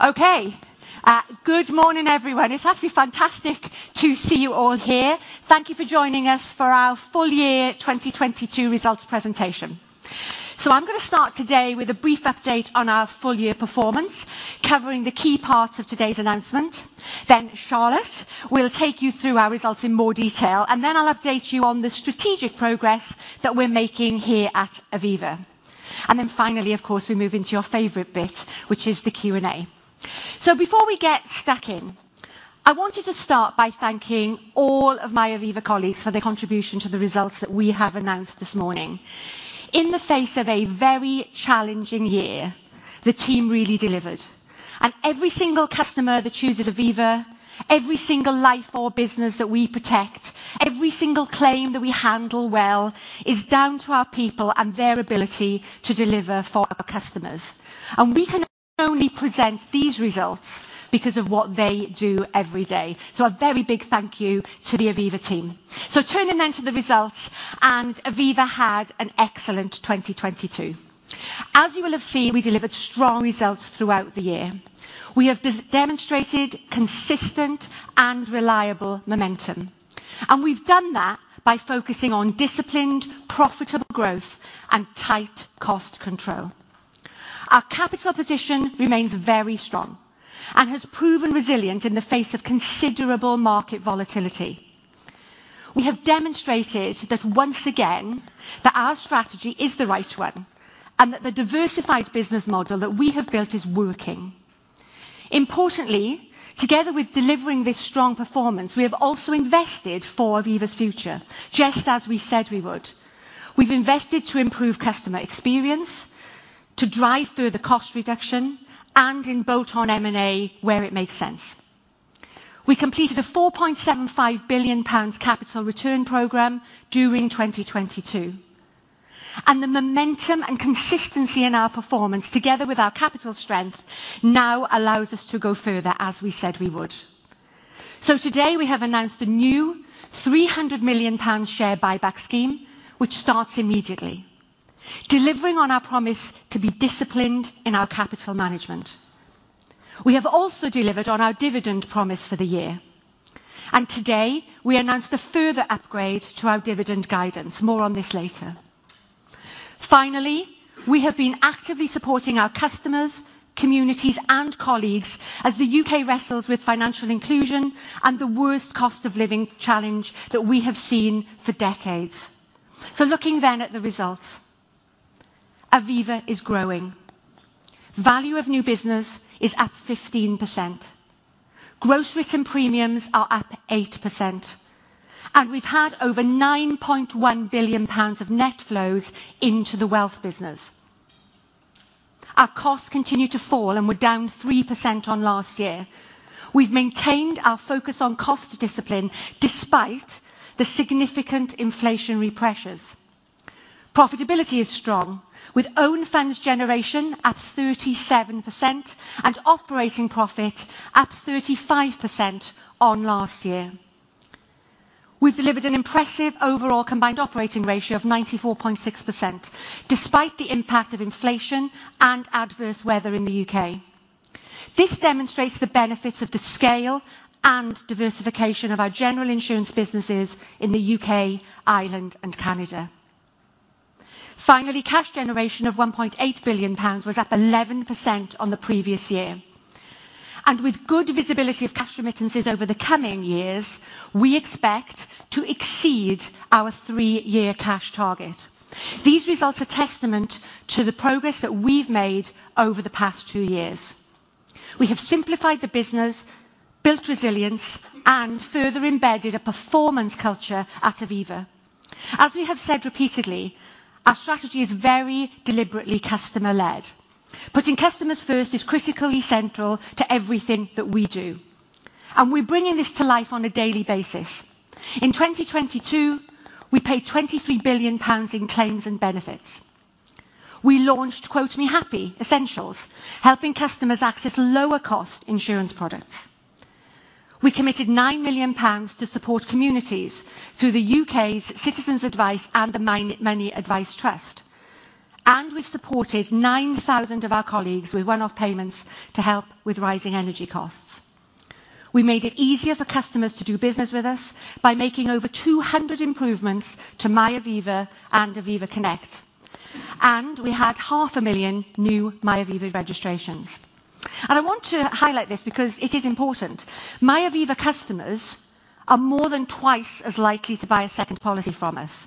Okay. Good morning, everyone. It's absolutely fantastic to see you all here. Thank you for joining us for our full year 2022 results presentation. I'm gonna start today with a brief update on our full year performance, covering the key parts of today's announcement. Charlotte will take you through our results in more detail, and then I'll update you on the strategic progress that we're making here at Aviva. Finally, of course, we move into your favorite bit, which is the Q&A. Before we get stuck in, I wanted to start by thanking all of my Aviva colleagues for their contribution to the results that we have announced this morning. In the face of a very challenging year, the team really delivered. Every single customer that chooses Aviva, every single life or business that we protect, every single claim that we handle well is down to our people and their ability to deliver for our customers. We can only present these results because of what they do every day. A very big thank you to the Aviva team. Turning to the results, Aviva had an excellent 2022. As you will have seen, we delivered strong results throughout the year. We have demonstrated consistent and reliable momentum. We've done that by focusing on disciplined, profitable growth and tight cost control. Our capital position remains very strong and has proven resilient in the face of considerable market volatility. We have demonstrated once again that our strategy is the right one, and that the diversified business model that we have built is working. Importantly, together with delivering this strong performance, we have also invested for Aviva's future, just as we said we would. We've invested to improve customer experience, to drive further cost reduction, and in bolt-on M&A where it makes sense. We completed a 4.75 billion pounds capital return program during 2022. The momentum and consistency in our performance, together with our capital strength, now allows us to go further, as we said we would. Today, we have announced a new 300 million pound share buyback scheme, which starts immediately, delivering on our promise to be disciplined in our capital management. We have also delivered on our dividend promise for the year. Today, we announced a further upgrade to our dividend guidance. More on this later. Finally, we have been actively supporting our customers, communities, and colleagues as the U.K. wrestles with financial inclusion and the worst cost of living challenge that we have seen for decades. Looking then at the results. Aviva is growing. Value of new business is up 15%. Gross Written Premiums are up 8%, and we've had over 9.1 billion pounds of net flows into the Wealth business. our costs continue to fall, and we're down 3% on last year. We've maintained our focus on cost discipline despite the significant inflationary pressures. Profitability is strong, with Own Funds Generation at 37% and Operating Profit up 35% on last year. We've delivered an impressive overall combined operating ratio of 94.6%, despite the impact of inflation and adverse weather in the U.K. This demonstrates the benefits of the scale and diversification of our General Insurance businesses in the UK, Ireland, and Canada. Finally, cash generation of 1.8 billion pounds was up 11% on the previous year. With good visibility of Cash Remittances over the coming years, we expect to exceed our 3-year cash target. These results are testament to the progress that we've made over the past two years. We have simplified the business, built resilience, and further embedded a performance culture at Aviva. As we have said repeatedly, our strategy is very deliberately customer-led. Putting customers first is critically central to everything that we do, and we're bringing this to life on a daily basis. In 2022, we paid 23 billion pounds in claims and benefits. We launched Quote Me Happy Essentials, helping customers access lower cost Insurance products. We committed 9 million pounds to support communities through the U.K.'s Citizens Advice and the Money Advice Trust. We've supported 9,000 of our colleagues with one-off payments to help with rising energy costs. We made it easier for customers to do business with us by making over 200 improvements to MyAviva and Aviva Connect. We had half a million new MyAviva registrations. I want to highlight this because it is important. MyAviva customers are more than twice as likely to buy a second policy from us.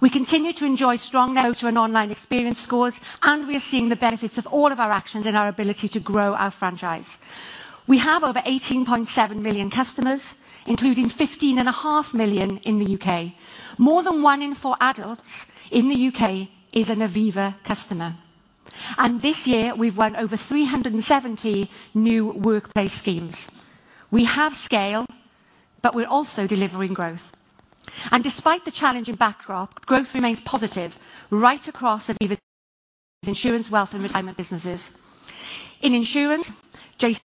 We continue to enjoy strong out to an online experience scores, and we are seeing the benefits of all of our actions and our ability to grow our franchise. We have over 18.7 million customers, including 15.5 million in the U.K. More than one in four adults in the U.K. is an Aviva customer. This year, we've won over 370 new workplace schemes. We have scale, but we're also delivering growth. Despite the challenging backdrop, growth remains positive right across Aviva's Insurance, Wealth, and Retirement businesses. In Insurance, Jason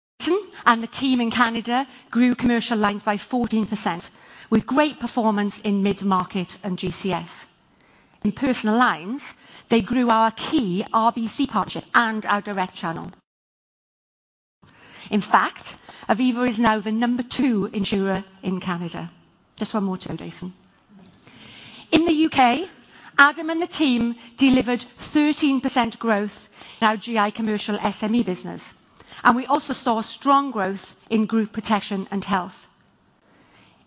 and the team in Canada grew commercial lines by 14%, with great performance in mid-market and GCS. In personal lines, they grew our key RBC partnership and our direct channel. In fact, Aviva is now the number two insurer in Canada. Just one more to go, Jason. In the U.K., Adam and the team delivered 13% growth in our GI Commercial SME business, and we also saw strong growth in Group Protection and Health.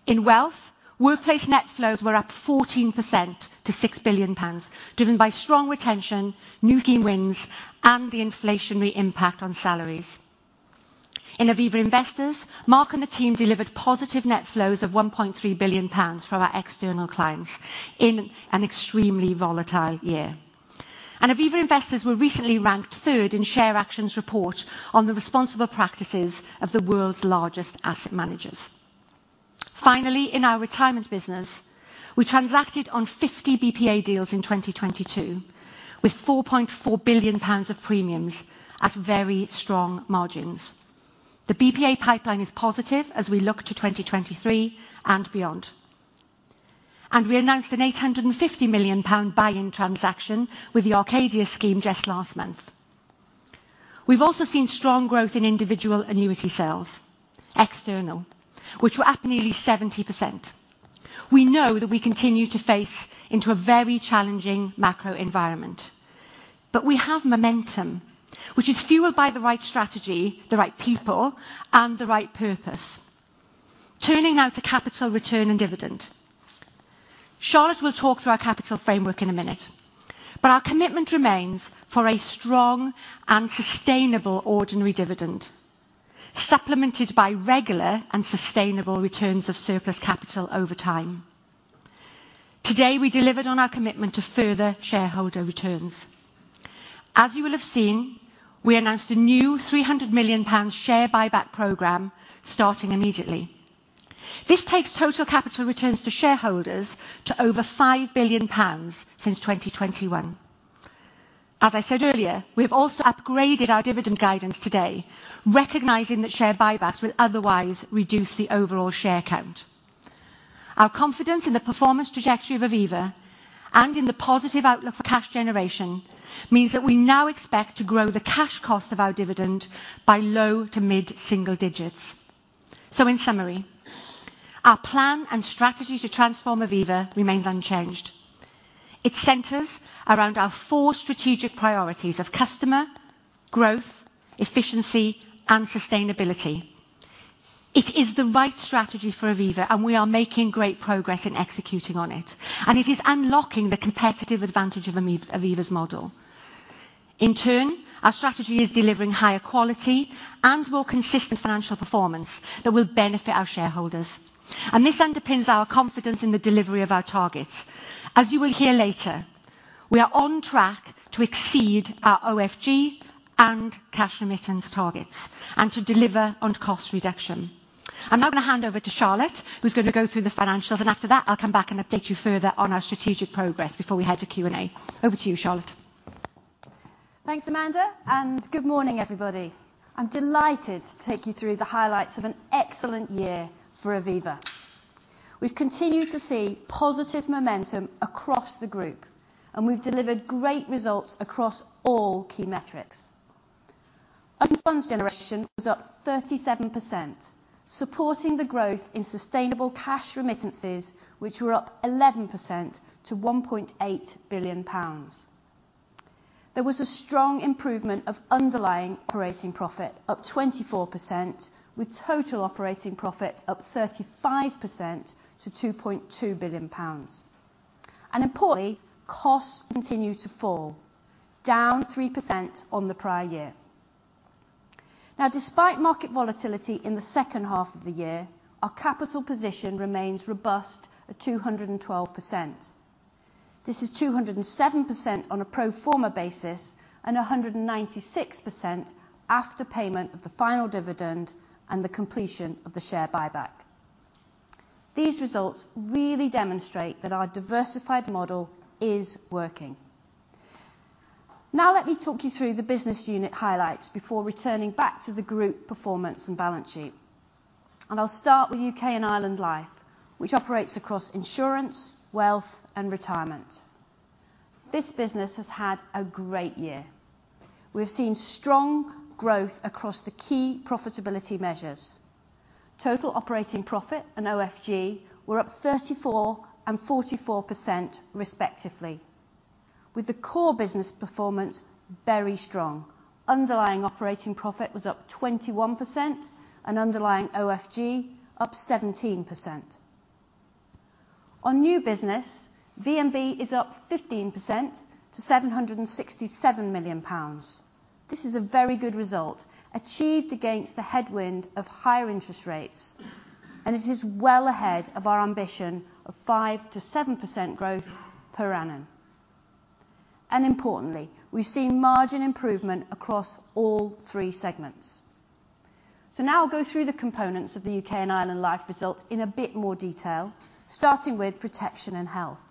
In Wealth, workplace net flows were up 14% to GBP 6 billion, driven by strong retention, new scheme wins, and the inflationary impact on salaries. In Aviva Investors, Mark and the team delivered positive net flows of 1.3 billion pounds from our external clients in an extremely volatile year. Aviva Investors were recently ranked third in ShareAction's report on the responsible practices of the world's largest asset managers. Finally, in our retirement business, we transacted on 50 BPA deals in 2022, with 4.4 billion pounds of premiums at very strong margins. The BPA pipeline is positive as we look to 2023 and beyond. We announced an 850 million pound buy-in transaction with the Arcadia scheme just last month. We've also seen strong growth in individual annuity sales, external, which were up nearly 70%. We know that we continue to face into a very challenging macro environment. We have momentum, which is fueled by the right strategy, the right people, and the right purpose. Turning now to Capital Return and Dividend. Charlotte will talk through our capital framework in a minute. Our commitment remains for a strong and sustainable ordinary dividend, supplemented by regular and sustainable returns of surplus capital over time. Today, we delivered on our commitment to further shareholder returns. As you will have seen, we announced a new 300 million pounds share buyback program starting immediately. This takes total capital returns to shareholders to over 5 billion pounds since 2021. As I said earlier, we have also upgraded our dividend guidance today, recognizing that share buybacks will otherwise reduce the overall share count. Our confidence in the performance trajectory of Aviva and in the positive outlook for cash generation means that we now expect to grow the cash costs of our dividend by low to mid-single digits. In summary, our plan and strategy to transform Aviva remains unchanged. It centers around our four strategic priorities of customer, growth, efficiency, and sustainability. It is the right strategy for Aviva, and we are making great progress in executing on it, and it is unlocking the competitive advantage of Aviva's model. In turn, our strategy is delivering higher quality and more consistent financial performance that will benefit our shareholders. This underpins our confidence in the delivery of our targets. As you will hear later, we are on track to exceed our OFG and cash remittance targets and to deliver on cost reduction. I'm now gonna hand over to Charlotte, who's gonna go through the financials, and after that I'll come back and update you further on our strategic progress before we head to Q&A. Over to you, Charlotte. Thanks, Amanda. Good morning, everybody. I'm delighted to take you through the highlights of an excellent year for Aviva. We've continued to see positive momentum across the group. We've delivered great results across all key metrics. Funds generation was up 37%, supporting the growth in sustainable Cash Remittances, which were up 11% to 1.8 billion pounds. There was a strong improvement of Underlying Operating Profit, up 24%, with Total Operating Profit up 35% to 2.2 billion pounds. Importantly, costs continued to fall, down 3% on the prior year. Despite market volatility in the second half of the year, our capital position remains robust at 212%. This is 207% on a pro forma basis and 196% after payment of the final dividend and the completion of the share buyback. These results really demonstrate that our diversified model is working. Let me talk you through the business unit highlights before returning back to the group performance and balance sheet. I'll start with UK and Ireland Life, which operates across Insurance, Wealth, and Retirement. This business has had a great year. We have seen strong growth across the key profitability measures. Total Operating Profit and OFG were up 34% and 44% respectively, with the core business performance very strong. Underlying Operating Profit was up 21% and Underlying OFG up 17%. On new business, VMB is up 15% to 767 million pounds. This is a very good result, achieved against the headwind of higher interest rates, and it is well ahead of our ambition of 5%-7% growth per annum. Importantly, we've seen margin improvement across all three segments. Now I'll go through the components of the UK and Ireland Life result in a bit more detail, starting with Protection and Health.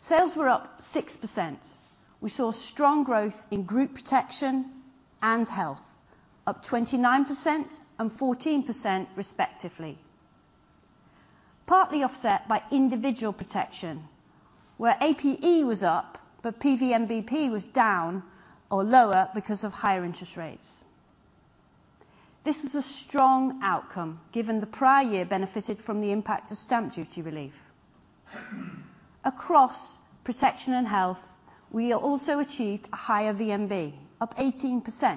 Sales were up 6%. We saw strong growth in Group Protection and Health, up 29% and 14% respectively. Partly offset by Individual Protection, where APE was up, but PVNBP was down or lower because of higher interest rates. This was a strong outcome given the prior year benefited from the impact of stamp duty relief. Across Protection and Health, we also achieved a higher VNB, up 18%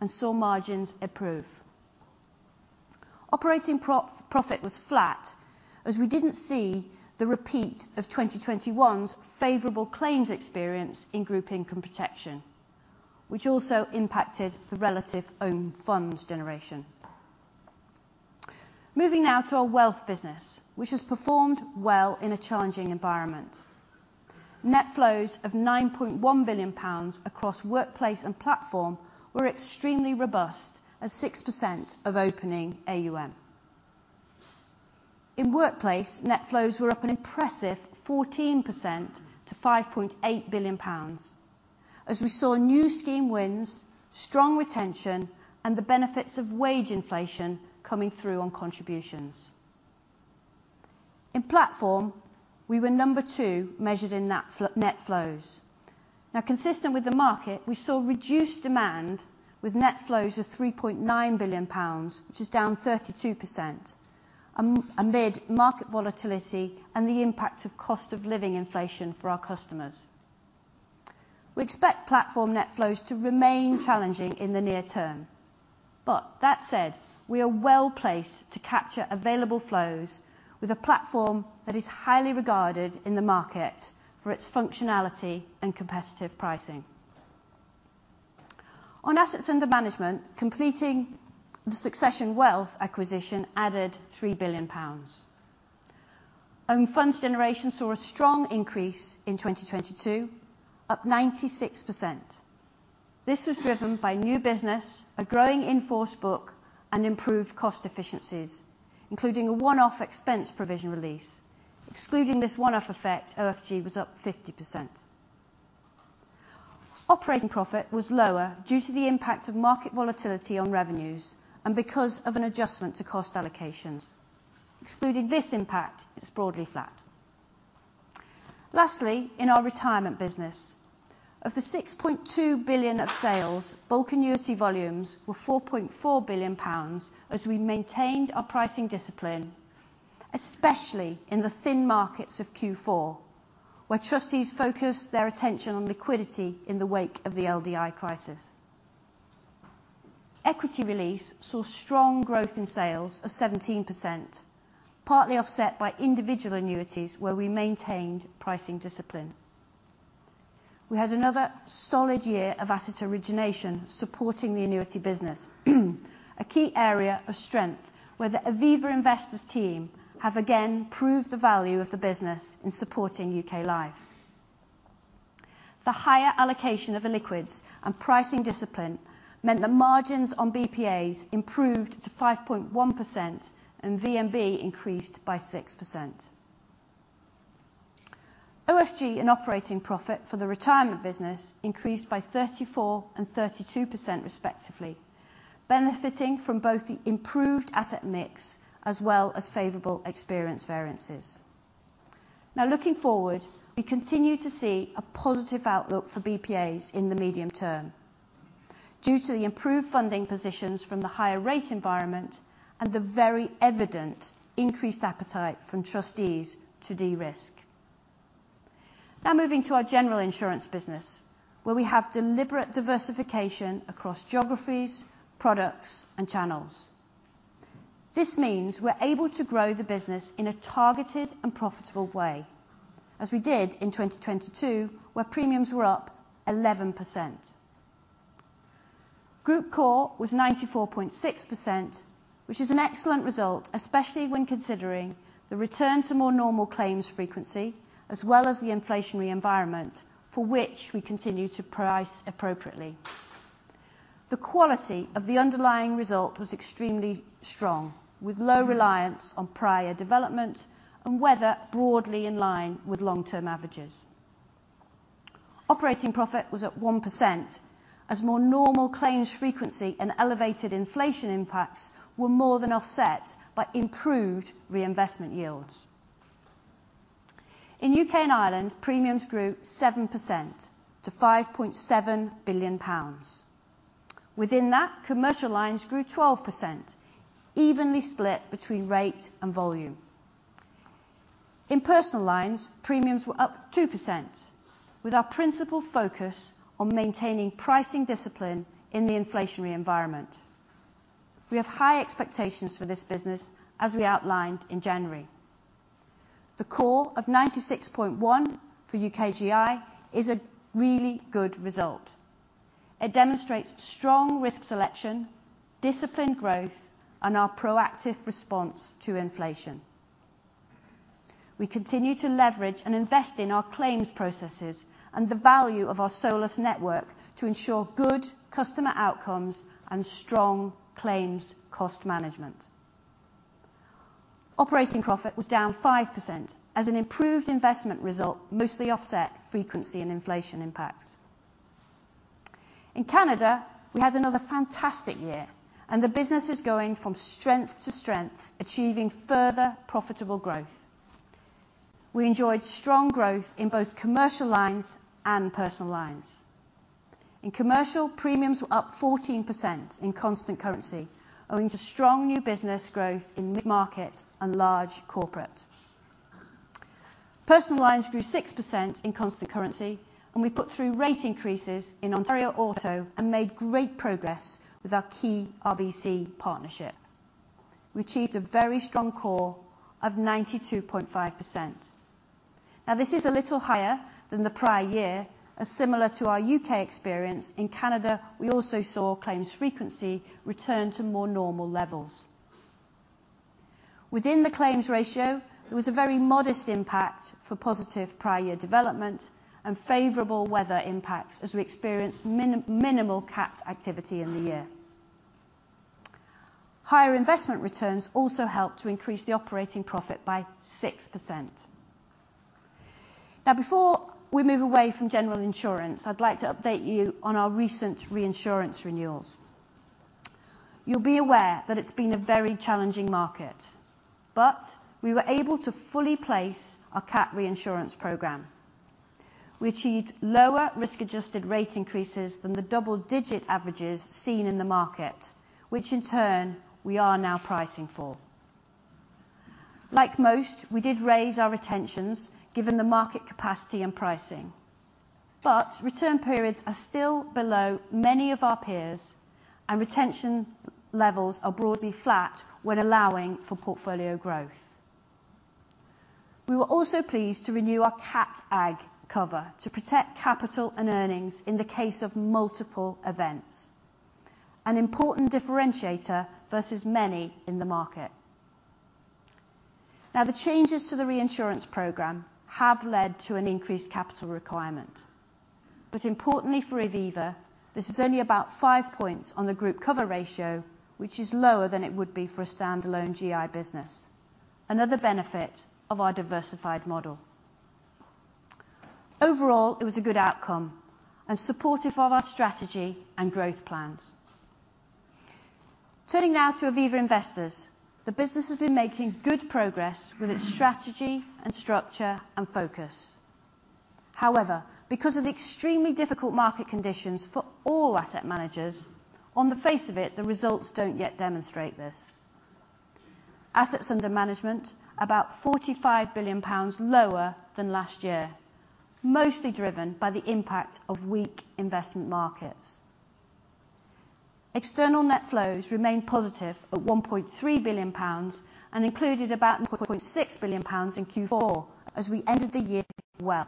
and saw margins improve. Operating Profit was flat as we didn't see the repeat of 2021's favorable claims experience in Group Income Protection, which also impacted the relative Own Funds Generation. Moving now to our Wealth business, which has performed well in a challenging environment. Net flows of 9.1 billion pounds across workplace and platform were extremely robust as 6% of opening AUM. In workplace, net flows were up an impressive 14% to GBP 5.8 billion as we saw new scheme wins, strong retention, and the benefits of wage inflation coming through on contributions. In platform, we were number two measured in net flows. Consistent with the market, we saw reduced demand with net flows of 3.9 billion pounds, which is down 32%, amid market volatility and the impact of cost of living inflation for our customers. We expect platform net flows to remain challenging in the near term. That said, we are well-placed to capture available flows with a platform that is highly regarded in the market for its functionality and competitive pricing. On assets under management, completing the Succession Wealth acquisition added 3 billion pounds. Own Funds Generation saw a strong increase in 2022, up 96%. This was driven by new business, a growing in-force book, and improved cost efficiencies, including a one-off expense provision release. Excluding this one-off effect, OFG was up 50%. Operating Profit was lower due to the impact of market volatility on revenues and because of an adjustment to cost allocations. Excluding this impact, it's broadly flat. Lastly, in our retirement business, of the 6.2 billion of sales, bulk Annuity volumes were 4.4 billion pounds as we maintained our pricing discipline, especially in the thin markets of Q4, where trustees focused their attention on liquidity in the wake of the LDI crisis. equity release saw strong growth in sales of 17%, partly offset by individual annuities where we maintained pricing discipline. We had another solid year of asset origination supporting the Annuity business, a key area of strength where the Aviva Investors team have again proved the value of the business in supporting UK Life. The higher allocation of illiquids and pricing discipline meant the margins on BPAs improved to 5.1% and VMB increased by 6%. OFG and Operating Profit for the retirement business increased by 34% and 32% respectively, benefiting from both the improved asset mix as well as favorable experience variances. Looking forward, we continue to see a positive outlook for BPAs in the medium term due to the improved funding positions from the higher rate environment and the very evident increased appetite from trustees to de-risk. Moving to our General Insurance business, where we have deliberate diversification across geographies, products, and channels. This means we're able to grow the business in a targeted and profitable way, as we did in 2022, where premiums were up 11%. Group COR was 94.6%, which is an excellent result, especially when considering the return to more normal claims frequency as well as the inflationary environment for which we continue to price appropriately. The quality of the underlying result was extremely strong, with low reliance on prior development and weather broadly in line with long-term averages. Operating Profit was at 1% as more normal claims frequency and elevated inflation impacts were more than offset by improved reinvestment yields. In UK and Ireland, premiums grew 7% to 5.7 billion pounds. Within that, Commercial lines grew 12%, evenly split between rate and volume. In Personal lines, premiums were up 2%, with our principal focus on maintaining pricing discipline in the inflationary environment. We have high expectations for this business, as we outlined in January. The COR of 96.1% for UK GI is a really good result. It demonstrates strong risk selection, disciplined growth, and our proactive response to inflation. We continue to leverage and invest in our claims processes and the value of our Solus network to ensure good customer outcomes and strong claims cost management. Operating Profit was down 5% as an improved investment result mostly offset frequency and inflation impacts. In Canada, we had another fantastic year and the business is going from strength to strength, achieving further profitable growth. We enjoyed strong growth in both Commercial lines and Personal lines. In commercial, premiums were up 14% in constant currency owing to strong new business growth in mid-market and large corporate. Personal lines grew 6% in constant currency, and we put through rate increases in Ontario Auto and made great progress with our key RBC partnership. We achieved a very strong COR of 92.5%. This is a little higher than the prior year, as similar to our UK experience, in Canada we also saw claims frequency return to more normal levels. Within the claims ratio, there was a very modest impact for positive prior year development and favorable weather impacts as we experienced minimal cat activity in the year. Higher investment returns also helped to increase the Operating Profit by 6%. Before we move away from General Insurance, I'd like to update you on our recent ReInsurance Renewals. You'll be aware that it's been a very challenging market, but we were able to fully place our cat ReInsurance program. We achieved lower risk-adjusted rate increases than the double-digit averages seen in the market, which in turn we are now pricing for. Like most, we did raise our retentions given the market capacity and pricing. Return periods are still below many of our peers, and retention levels are broadly flat when allowing for portfolio growth. We were also pleased to renew our cat agg cover to protect capital and earnings in the case of multiple events, an important differentiator versus many in the market. The changes to the reInsurance program have led to an increased capital requirement. Importantly for Aviva, this is only about 5 points on the group cover ratio, which is lower than it would be for a standalone GI business, another benefit of our diversified model. Overall, it was a good outcome and supportive of our strategy and growth plans. Turning now to Aviva Investors, the business has been making good progress with its strategy and structure and focus. Because of the extremely difficult market conditions for all asset managers, on the face of it, the results don't yet demonstrate this. Assets under management about 45 billion pounds lower than last year, mostly driven by the impact of weak investment markets. External net flows remained positive at 1.3 billion pounds and included about 0.6 billion pounds in Q4 as we ended the year well.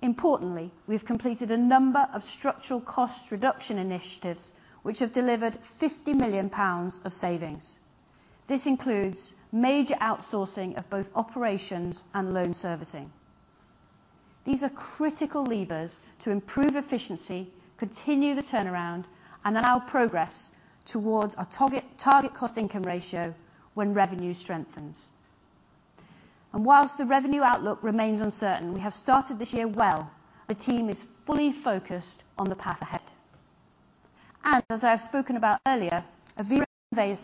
Importantly, we've completed a number of structural cost reduction initiatives which have delivered 50 million pounds of savings. This includes major outsourcing of both operations and loan servicing. These are critical levers to improve efficiency, continue the turnaround, and allow progress towards our target cost income ratio when revenue strengthens. Whilst the revenue outlook remains uncertain, we have started this year well. The team is fully focused on the path ahead. As I have spoken about earlier, Aviva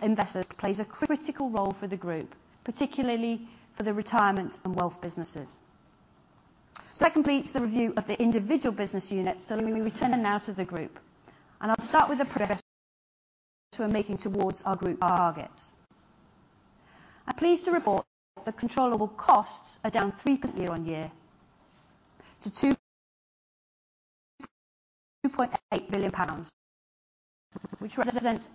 Investors plays a critical role for the group, particularly for the retirement on Wealth businesses. Secondly, the review of the Individual business units, so letting me return now to the group. I'll start with the progress we're making towards our group targets. I'm pleased to report that controllable costs are down 3% year-on-year to 2.8 billion pounds, which represents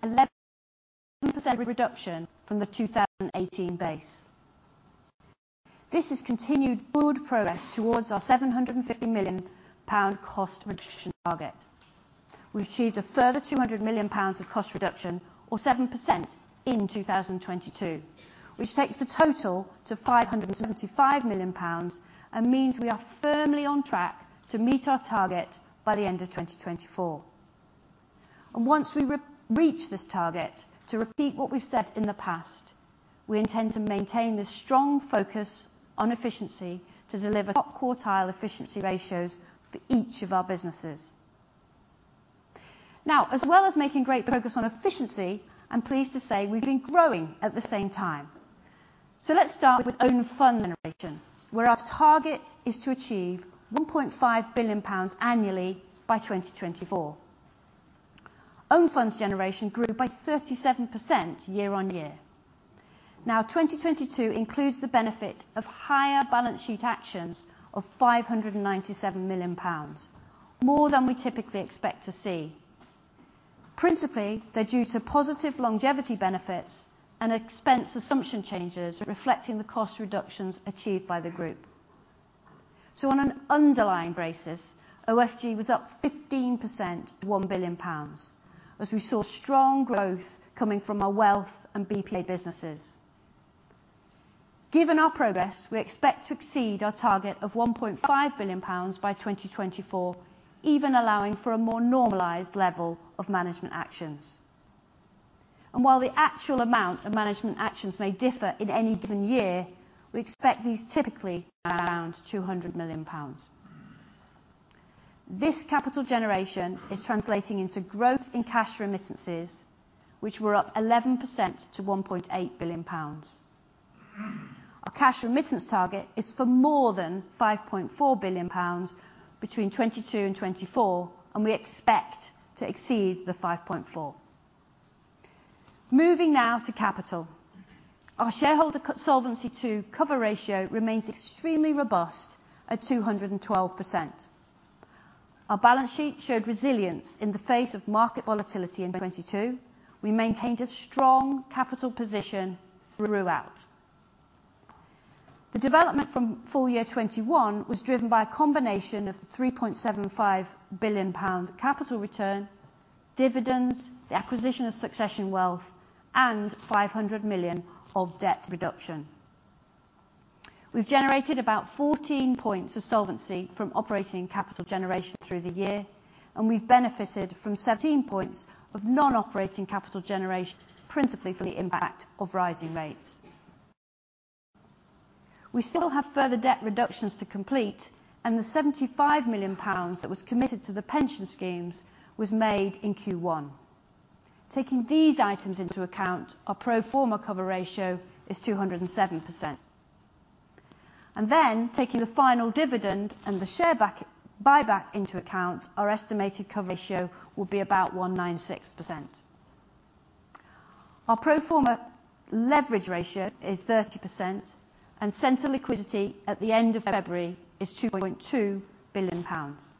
11% reduction from the 2018 base. This is continued good progress towards our 750 million pound cost reduction target. We achieved a further 200 million pounds of cost reduction or 7% in 2022, which takes the total to 575 million pounds and means we are firmly on track to meet our target by the end of 2024. Once we re-reach this target, to repeat what we've said in the past, we intend to maintain this strong focus on efficiency to deliver quartile efficiency ratios for each of our businesses. As well as making great progress on efficiency, I'm pleased to say we've been growing at the same time. Let's start with Own Funds Generation, where our target is to achieve 1.5 billion pounds annually by 2024. Own Funds Generation grew by 37% year-on-year. 2022 includes the benefit of higher balance sheet actions of 597 million pounds, more than we typically expect to see. Principally, they're due to positive longevity benefits and expense assumption changes reflecting the cost reductions achieved by the group. On an underlying basis, OFG was up 15% to 1 billion pounds as we saw strong growth coming from our wealth and BPA businesses. Given our progress, we expect to exceed our target of 1.5 billion pounds by 2024, even allowing for a more normalized level of management actions. While the actual amount of management actions may differ in any given year, we expect these typically around 200 million pounds. This capital generation is translating into growth in Cash Remittances, which were up 11% to 1.8 billion pounds. Our cash remittance target is for more than 5.4 billion pounds between 2022 and 2024, and we expect to exceed the 5.4. Moving now to capital. Our shareholder solvency coverage ratio remains extremely robust at 212%. Our balance sheet showed resilience in the face of market volatility in 2022. We maintained a strong capital position throughout. The development from full year 2021 was driven by a combination of the 3.75 billion pound capital return, dividends, the acquisition of Succession Wealth, and 500 million of debt reduction. We've generated about 14 points of solvency from operating capital generation through the year, and we've benefited from 17 points of non-operating capital generation, principally for the impact of rising rates. We still have further debt reductions to complete, and the 75 million pounds that was committed to the pension schemes was made in Q1. Taking these items into account, our pro forma cover ratio is 207%. Taking the final dividend and the share buyback into account, our estimated cover ratio will be about 196%. Our pro forma leverage ratio is 30%, and center liquidity at the end of February is 2.2 billion pounds.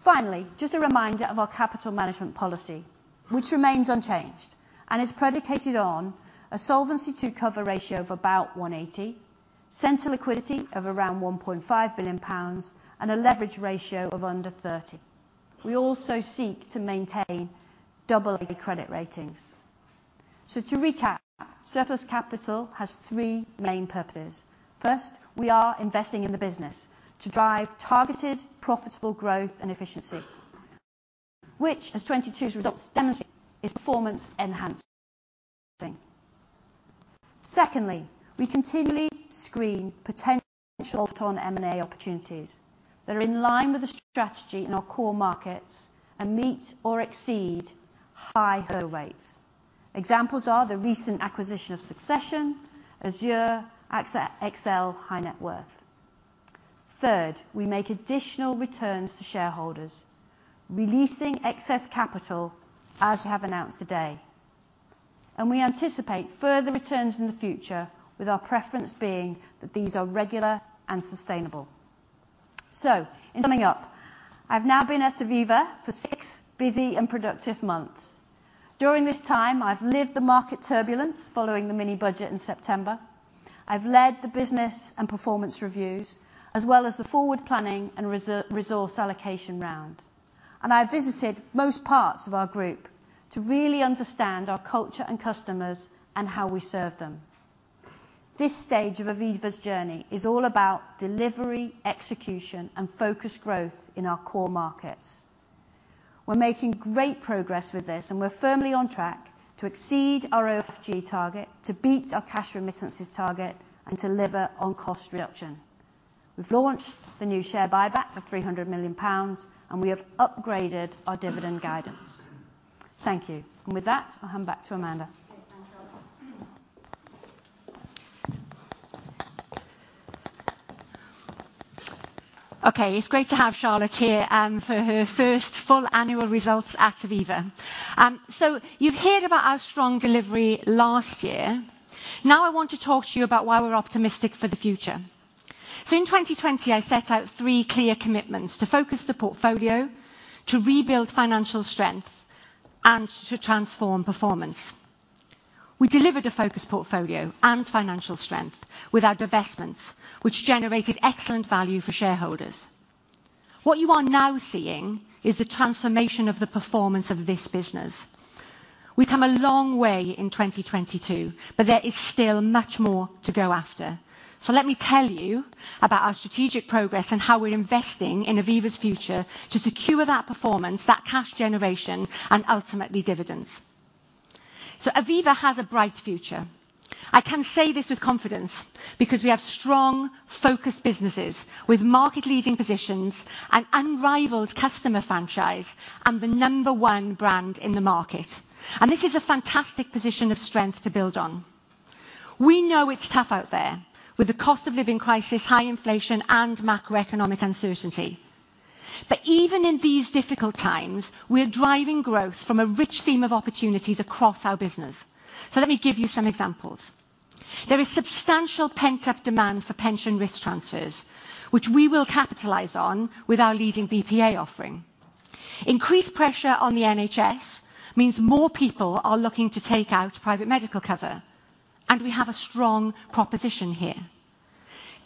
Finally, just a reminder of our capital management policy, which remains unchanged and is predicated on a solvency coverage ratio of about 180%, center liquidity of around 1.5 billion pounds, and a leverage ratio of under 30%. We also seek to maintain AA credit ratings. To recap, Surplus Capital has three main purposes. First, we are investing in the business to drive targeted, profitable growth and efficiency, which as 2022's results demonstrate, is performance enhancing. Secondly, we continually screen potential bolt-on M&A opportunities that are in line with the strategy in our core markets and meet or exceed higher rates. Examples are the recent acquisition of Succession, Azur AXA XL High Net Worth. Third, we make additional returns to shareholders, releasing excess capital as we have announced today, and we anticipate further returns in the future with our preference being that these are regular and sustainable. In summing up, I've now been at Aviva for six busy and productive months. During this time, I've lived the market turbulence following the Mini-Budget in September. I've led the business and performance reviews, as well as the forward planning and resource allocation round. I visited most parts of our group to really understand our culture and customers and how we serve them. This stage of Aviva's journey is all about delivery, execution, and focused growth in our core markets. We're making great progress with this, and we're firmly on track to exceed our OFG target, to beat our Cash Remittances target, and deliver on cost reduction. We've launched the new share buyback of 300 million pounds. We have upgraded our dividend guidance. Thank you. With that, I'll hand back to Amanda. Thanks Charlotte. It's great to have Charlotte here for her first full annual results at Aviva. You've heard about our strong delivery last year. Now, I want to talk to you about why we're optimistic for the future. In 2020, I set out three clear commitments: to focus the portfolio, to rebuild financial strength, and to transform performance. We delivered a focused portfolio and financial strength with our divestments, which generated excellent value for shareholders. What you are now seeing is the transformation of the performance of this business. We've come a long way in 2022, but there is still much more to go after. Let me tell you about our strategic progress and how we're investing in Aviva's future to secure that performance, that cash generation and ultimately dividends. Aviva has a bright future. I can say this with confidence because we have strong, focused businesses with market-leading positions and unrivaled customer franchise and the number one brand in the market. This is a fantastic position of strength to build on. We know it's tough out there with the cost of living crisis, high inflation and macroeconomic uncertainty. Even in these difficult times, we are driving growth from a rich seam of opportunities across our business. Let me give you some examples. There is substantial pent-up demand for pension risk transfers, which we will capitalize on with our leading BPA offering. Increased pressure on the NHS means more people are looking to take out private medical cover, and we have a strong proposition here.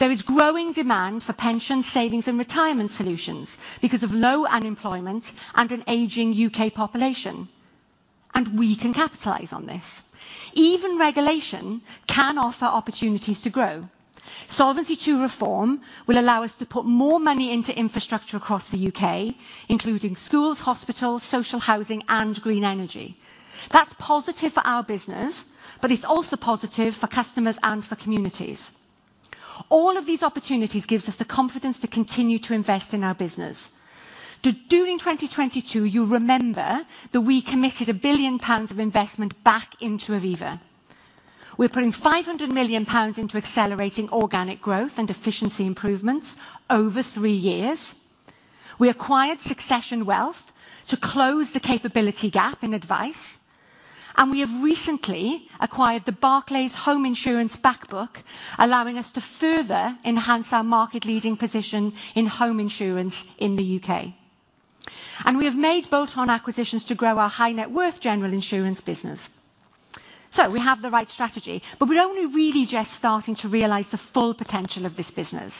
There is growing demand for pension savings and retirement solutions because of low unemployment and an aging UK population, and we can capitalize on this. Even regulation can offer opportunities to grow. Solvency II reform will allow us to put more money into infrastructure across the UK, including schools, hospitals, social housing, and green energy. That's positive for our business, but it's also positive for customers and for communities. All of these opportunities gives us the confidence to continue to invest in our business. During 2022, you remember that we committed 1 billion pounds of investment back into Aviva. We're putting 500 million pounds into accelerating organic growth and efficiency improvements over three years. We acquired Succession Wealth to close the capability gap in advice, and we have recently acquired the Barclays Home Insurance back book, allowing us to further enhance our market-leading position in home Insurance in the UK. We have made bolt-on acquisitions to grow our high net worth General Insurance business. We have the right strategy, but we're only really just starting to realize the full potential of this business.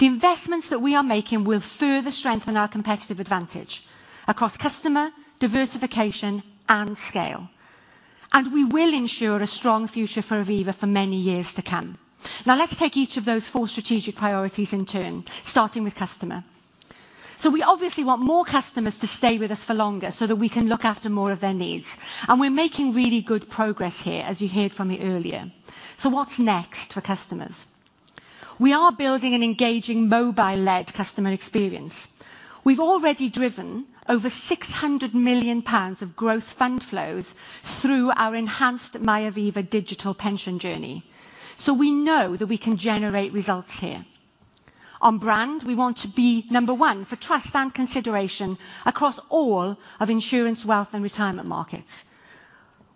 The investments that we are making will further strengthen our competitive advantage across customer, diversification, and scale, and we will ensure a strong future for Aviva for many years to come. Now, let's take each of those four strategic priorities in turn, starting with customer. We obviously want more customers to stay with us for longer so that we can look after more of their needs, and we're making really good progress here, as you heard from me earlier. What's next for customers? We are building an engaging mobile-led customer experience. We've already driven over 600 million pounds of gross fund flows through our enhanced MyAviva digital pension journey, so we know that we can generate results here. On brand, we want to be number one for trust and consideration across all of Insurance, Wealth, and Retirement markets.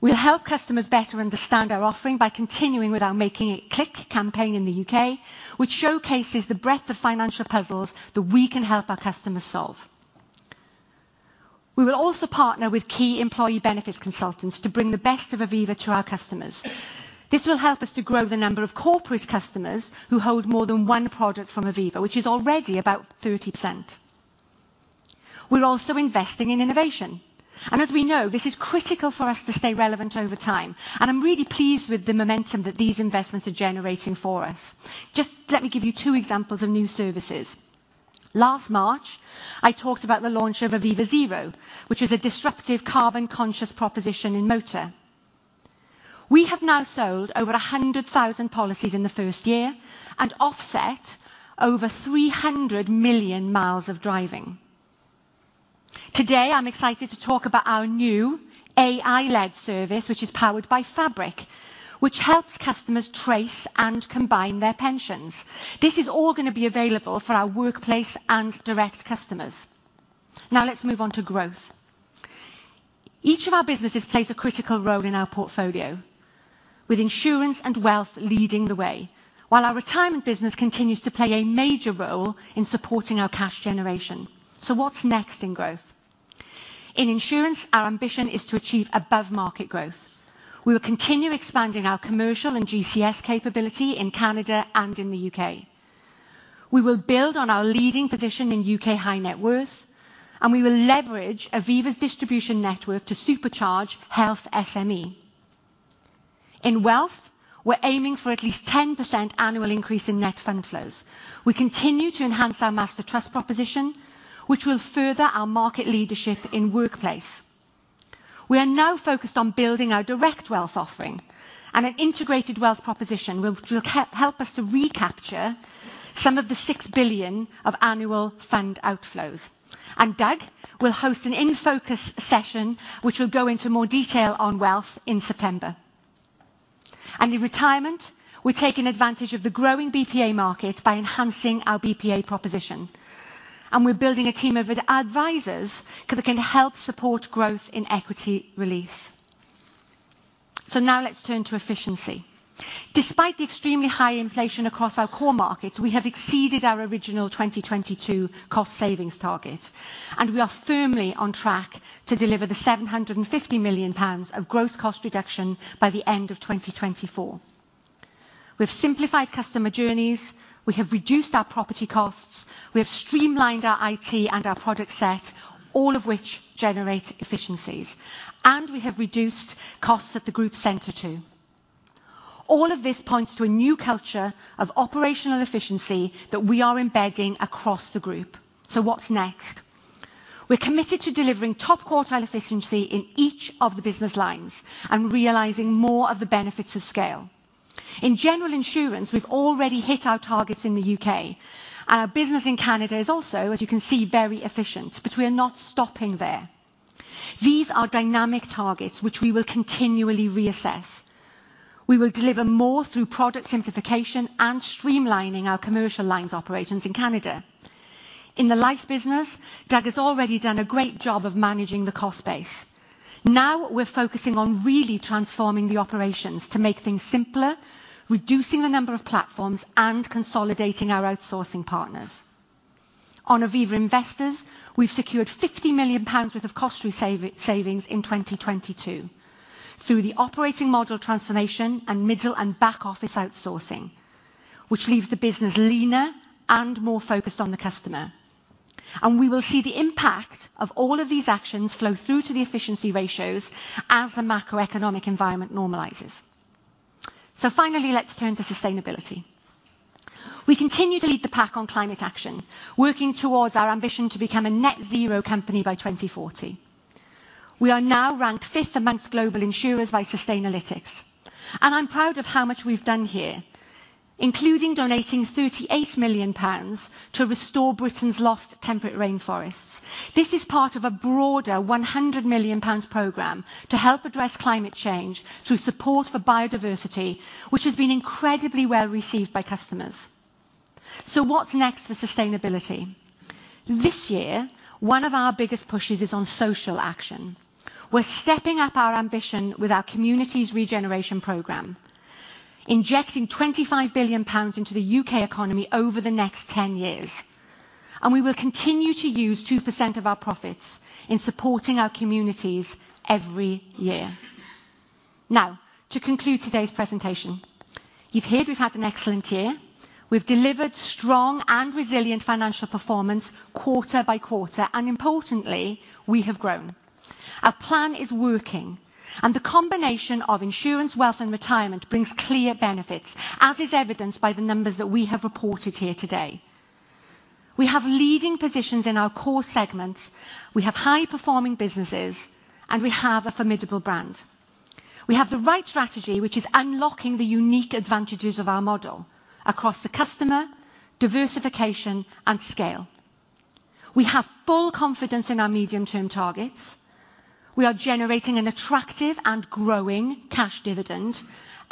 We'll help customers better understand our offering by continuing with our Making It Click campaign in the UK, which showcases the breadth of financial puzzles that we can help our customers solve. We will also partner with key employee benefits consultants to bring the best of Aviva to our customers. This will help us to grow the number of corporate customers who hold more than one product from Aviva, which is already about 30%. We're also investing in innovation, and as we know, this is critical for us to stay relevant over time, and I'm really pleased with the momentum that these investments are generating for us. Just let me give you two examples of new services. Last March, I talked about the launch of Aviva Zero, which is a disruptive carbon-conscious proposition in motor. We have now sold over 100,000 policies in the first year and offset over 300 million miles of driving. Today, I'm excited to talk about our new AI-led service, which is powered by Fabric, which helps customers trace and combine their pensions. This is all gonna be available for our workplace and direct customers. Let's move on to growth. Each of our businesses plays a critical role in our portfolio, with Insurance and Wealth leading the way, while our Retirement business continues to play a major role in supporting our cash generation. What's next in growth? In Insurance, our ambition is to achieve above market growth. We will continue expanding our commercial and GCS capability in Canada and in the UK. We will build on our leading position in UK high net worth. We will leverage Aviva's distribution network to supercharge health SME. In Wealth, we're aiming for at least 10% annual increase in net fund flows. We continue to enhance our Master Trust proposition, which will further our market leadership in workplace. We are now focused on building our direct wealth offering and an integrated wealth proposition which will help us to recapture some of the 6 billion of annual fund outflows. Doug will host an in-focus session which will go into more detail on Wealth in September. In retirement, we're taking advantage of the growing BPA market by enhancing our BPA proposition. We're building a team of advisers that can help support growth in equity release. Now let's turn to efficiency. Despite the extremely high inflation across our core markets, we have exceeded our original 2022 cost savings target. We are firmly on track to deliver the 750 million pounds of gross cost reduction by the end of 2024. We've simplified customer journeys. We have reduced our property costs. We have streamlined our IT and our product set, all of which generate efficiencies. We have reduced costs at the group center too. All of this points to a new culture of operational efficiency that we are embedding across the group. What's next? We're committed to delivering top quartile efficiency in each of the business lines and realizing more of the benefits of scale. In General Insurance, we've already hit our targets in the UK. Our business in Canada is also, as you can see, very efficient. We are not stopping there. These are dynamic targets which we will continually reassess. We will deliver more through product simplification and streamlining our commercial lines operations in Canada. In the Life business, Doug has already done a great job of managing the cost base. We're focusing on really transforming the operations to make things simpler, reducing the number of platforms, and consolidating our outsourcing partners. On Aviva Investors, we've secured 50 million pounds worth of cost savings in 2022. Through the operating model transformation and middle and back office outsourcing, which leaves the business leaner and more focused on the customer. We will see the impact of all of these actions flow through to the efficiency ratios as the macroeconomic environment normalizes. Finally, let's turn to sustainability. We continue to lead the pack on climate action, working towards our ambition to become a Net Zero Company by 2040. We are now ranked fifth amongst global insurers by Sustainalytics. I'm proud of how much we've done here, including donating 38 million pounds to restore Britain's lost temperate rainforests. This is part of a broader 100 million pounds program to help address climate change through support for biodiversity, which has been incredibly well received by customers. What's next for sustainability? This year, one of our biggest pushes is on social action. We're stepping up our ambition with our communities regeneration program, injecting 25 billion pounds into the U.K. economy over the next 10 years. We will continue to use 2% of our profits in supporting our communities every year. To conclude today's presentation, you've heard we've had an excellent year. We've delivered strong and resilient financial performance quarter by quarter, and importantly, we have grown. Our plan is working. The combination of Insurance, Wealth, and Retirement brings clear benefits, as is evidenced by the numbers that we have reported here today. We have leading positions in our core segments, we have high performing businesses, and we have a formidable brand. We have the right strategy, which is unlocking the unique advantages of our model across the customer, diversification, and scale. We have full confidence in our medium-term targets. We are generating an attractive and growing cash dividend,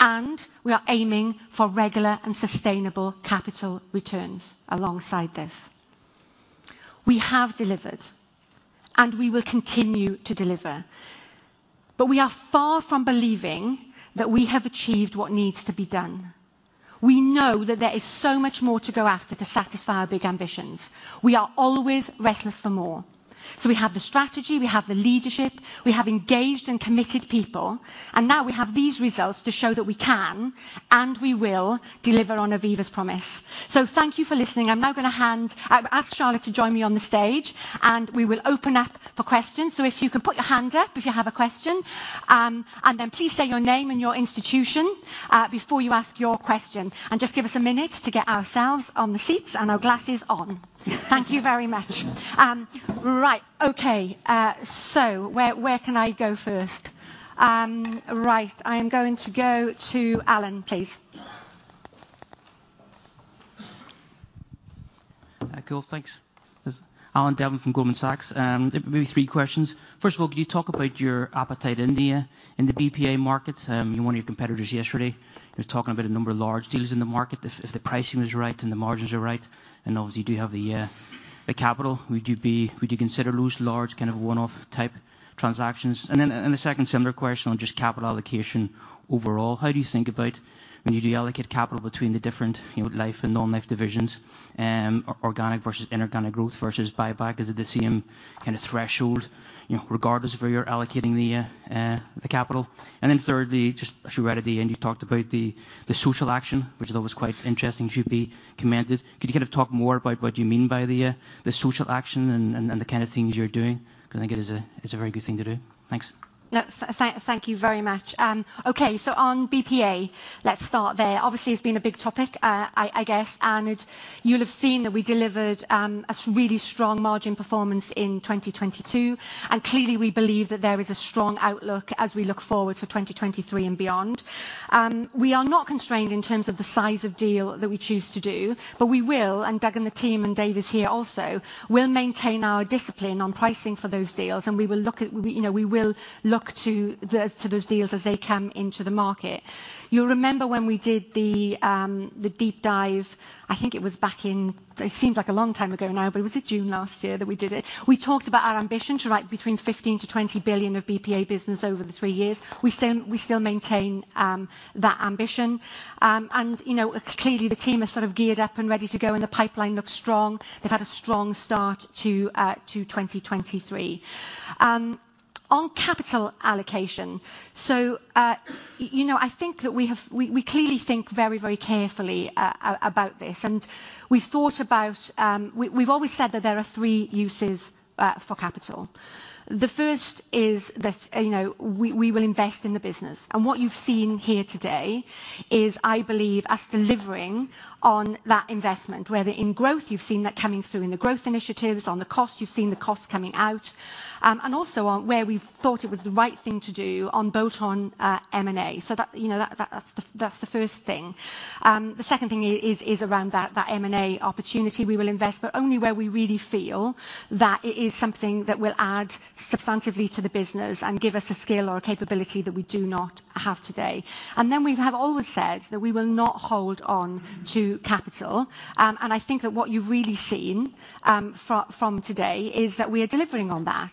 and we are aiming for regular and sustainable capital returns alongside this. We have delivered, and we will continue to deliver. We are far from believing that we have achieved what needs to be done. We know that there is so much more to go after to satisfy our big ambitions. We are always restless for more. We have the strategy, we have the leadership, we have engaged and committed people, and now we have these results to show that we can and we will deliver on Aviva's promise. Thank you for listening. I'm now gonna ask Charlotte to join me on the stage. We will open up for questions. If you can put your hand up if you have a question, then please say your name and your institution before you ask your question. Just give us a minute to get ourselves on the seats and our glasses on. Thank you very much. Right. Okay. Where, where can I go first? Right. I am going to go to Alan, please. Cool. Thanks. This is Alan Devlin from Goldman Sachs. Maybe three questions. First of all, could you talk about your appetite India in the BPA markets? One of your competitors yesterday was talking about a number of large deals in the market if the pricing was right and the margins are right. Obviously, you do have the capital. Would you consider those large kind of one-off type transactions? Then a second similar question on just capital allocation overall. How do you think about when you do allocate capital between the different, you know, Life and non-life divisions, organic versus inorganic growth versus buy back? Is it the same kinda threshold, you know, regardless of where you're allocating the capital? Thirdly, just actually right at the end, you talked about the social action, which is always quite interesting, should be commended. Could you kind of talk more about what you mean by the social action and the kinda things you're doing? 'Cause I think it is a, it's a very good thing to do. Thanks. Yeah. Thank you very much. Okay. On BPA, let's start there. Obviously, it's been a big topic. I guess, you'll have seen that we delivered a really strong margin performance in 2022. Clearly, we believe that there is a strong outlook as we look forward for 2023 and beyond. We are not constrained in terms of the size of deal that we choose to do, but we will, and Doug and the team and Dave is here also, will maintain our discipline on pricing for those deals, and we will look at, you know, we will look to those deals as they come into the market. You'll remember when we did the deep dive, I think it was back in... It seems like a long time ago now, was it June last year that we did it? We talked about our ambition to write between 15 billion-20 billion of BPA business over the three years. We still maintain that ambition. You know, clearly the team are sort of geared up and ready to go, and the pipeline looks strong. They've had a strong start to 2023. On capital allocation. You know, I think that we clearly think very, very carefully about this. We thought about, we've always said that there are three uses for capital. The first is that, you know, we will invest in the business. What you've seen here today is, I believe, us delivering on that investment, whether in growth, you've seen that coming through in the growth initiatives, on the cost, you've seen the cost coming out, and also on where we've thought it was the right thing to do on bolt-on M&A. That, you know, that's the first thing. The second thing is around that M&A opportunity we will invest, but only where we really feel that it is something that will add substantively to the business and give us a skill or a capability that we do not have today. Then we have always said that we will not hold on to capital. I think that what you've really seen from today is that we are delivering on that.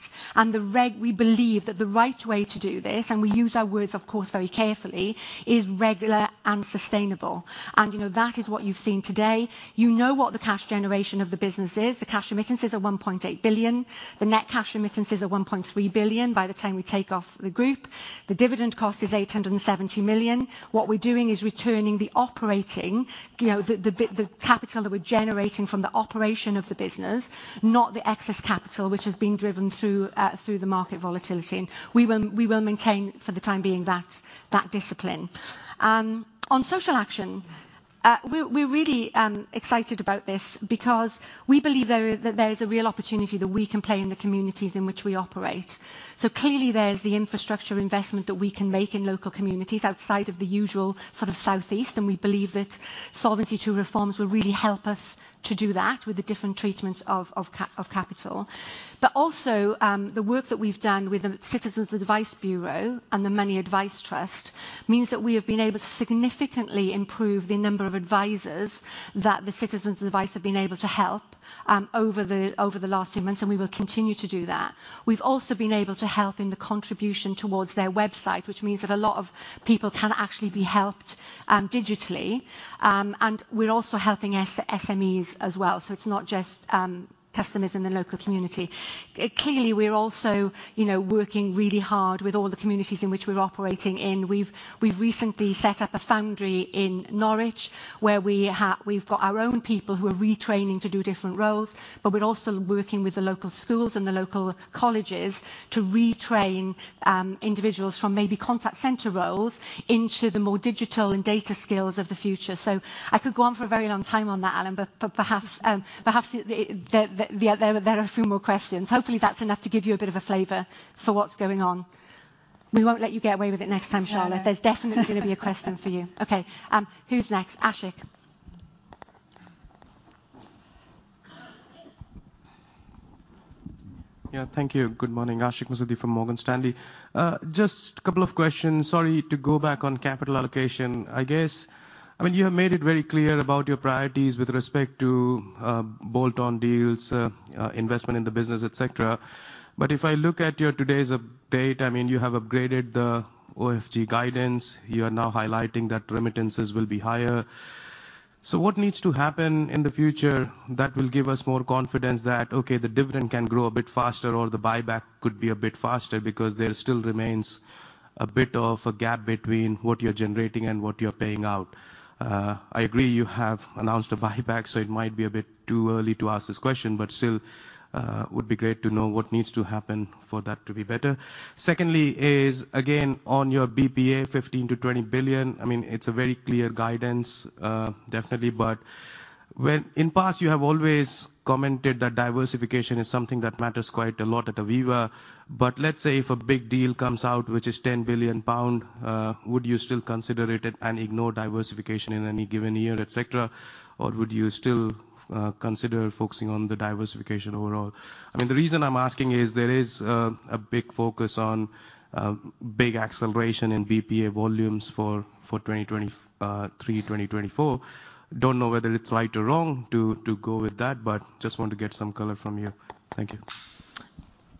We believe that the right way to do this, and we use our words, of course, very carefully, is regular and sustainable. You know, that is what you've seen today. You know what the cash generation of the business is. The Cash Remittances are 1.8 billion. The Net Cash Remittances are 1.3 billion by the time we take off the group. The Dividend Cost is 870 million. What we're doing is returning the operating, you know, the capital that we're generating from the operation of the business, not the excess capital which is being driven through the market volatility. We will maintain for the time being that discipline. On social action, we're really excited about this because we believe there is a real opportunity that we can play in the communities in which we operate. Clearly there is the infrastructure investment that we can make in local communities outside of the usual sort of Southeast, and we believe that Solvency II reforms will really help us to do that with the different treatments of capital. Also, the work that we've done with the Citizens Advice and the Money Advice Trust means that we have been able to significantly improve the number of advisors that the Citizens Advice have been able to help over the last few months, and we will continue to do that. We've also been able to help in the contribution towards their website, which means that a lot of people can actually be helped digitally. We're also helping SMEs as well, so it's not just customers in the local community. Clearly, we're also, you know, working really hard with all the communities in which we're operating in. We've recently set up a foundry in Norwich where we've got our own people who are retraining to do different roles, but we're also working with the local schools and the local colleges to retrain individuals from maybe contact center roles into the more digital and data skills of the future. I could go on for a very long time on that, Alan, but perhaps the, there are a few more questions. Hopefully, that's enough to give you a bit of a flavor for what's going on. We won't let you get away with it next time, Charlotte. No. There's definitely gonna be a question for you. Okay, who's next? Ashik. Yeah. Thank you. Good morning. Ashik Musaddi from Morgan Stanley. Just a couple of questions. Sorry to go back on capital allocation. I mean, you have made it very clear about your priorities with respect to bolt-on deals, investment in the business, et cetera. If I look at your today's update, I mean, you have upgraded the OFG guidance. You are now highlighting that remittances will be higher. What needs to happen in the future that will give us more confidence that, okay, the dividend can grow a bit faster or the buyback could be a bit faster because there still remains a bit of a gap between what you're generating and what you're paying out? I agree you have announced a buyback, it might be a bit too early to ask this question, still, would be great to know what needs to happen for that to be better. Secondly is, again, on your BPA 15 billion-20 billion, it's a very clear guidance, definitely. In past you have always commented that diversification is something that matters quite a lot at Aviva. Let's say if a big deal comes out, which is 10 billion pound, would you still consider it and ignore diversification in any given year, et cetera? Would you still consider focusing on the diversification overall? The reason I'm asking is there is a big focus on big acceleration in BPA volumes for 2023, 2024. Don't know whether it's right or wrong to go with that, but just want to get some color from you. Thank you.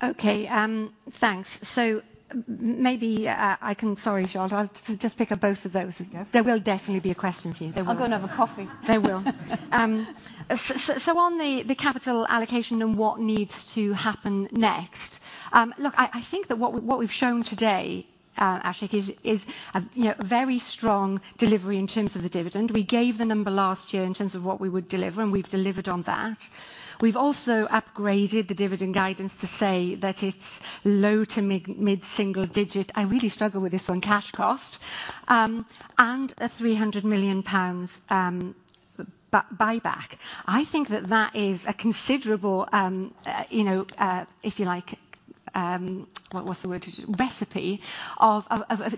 Okay, thanks. Maybe, Sorry, Charlotte. I'll just pick up both of those. Yes. There will definitely be a question for you. There will be. I'll go and have a coffee. There will. On the capital allocation and what needs to happen next, look, I think that what we've shown today, Ashik, is a, you know, very strong delivery in terms of the dividend. We gave the number last year in terms of what we would deliver, and we've delivered on that. We've also upgraded the dividend guidance to say that it's low to mid single digit. I really struggle with this on cash cost. A 300 million pounds buyback. I think that that is a considerable, you know, if you like, what was the word? Recipe of...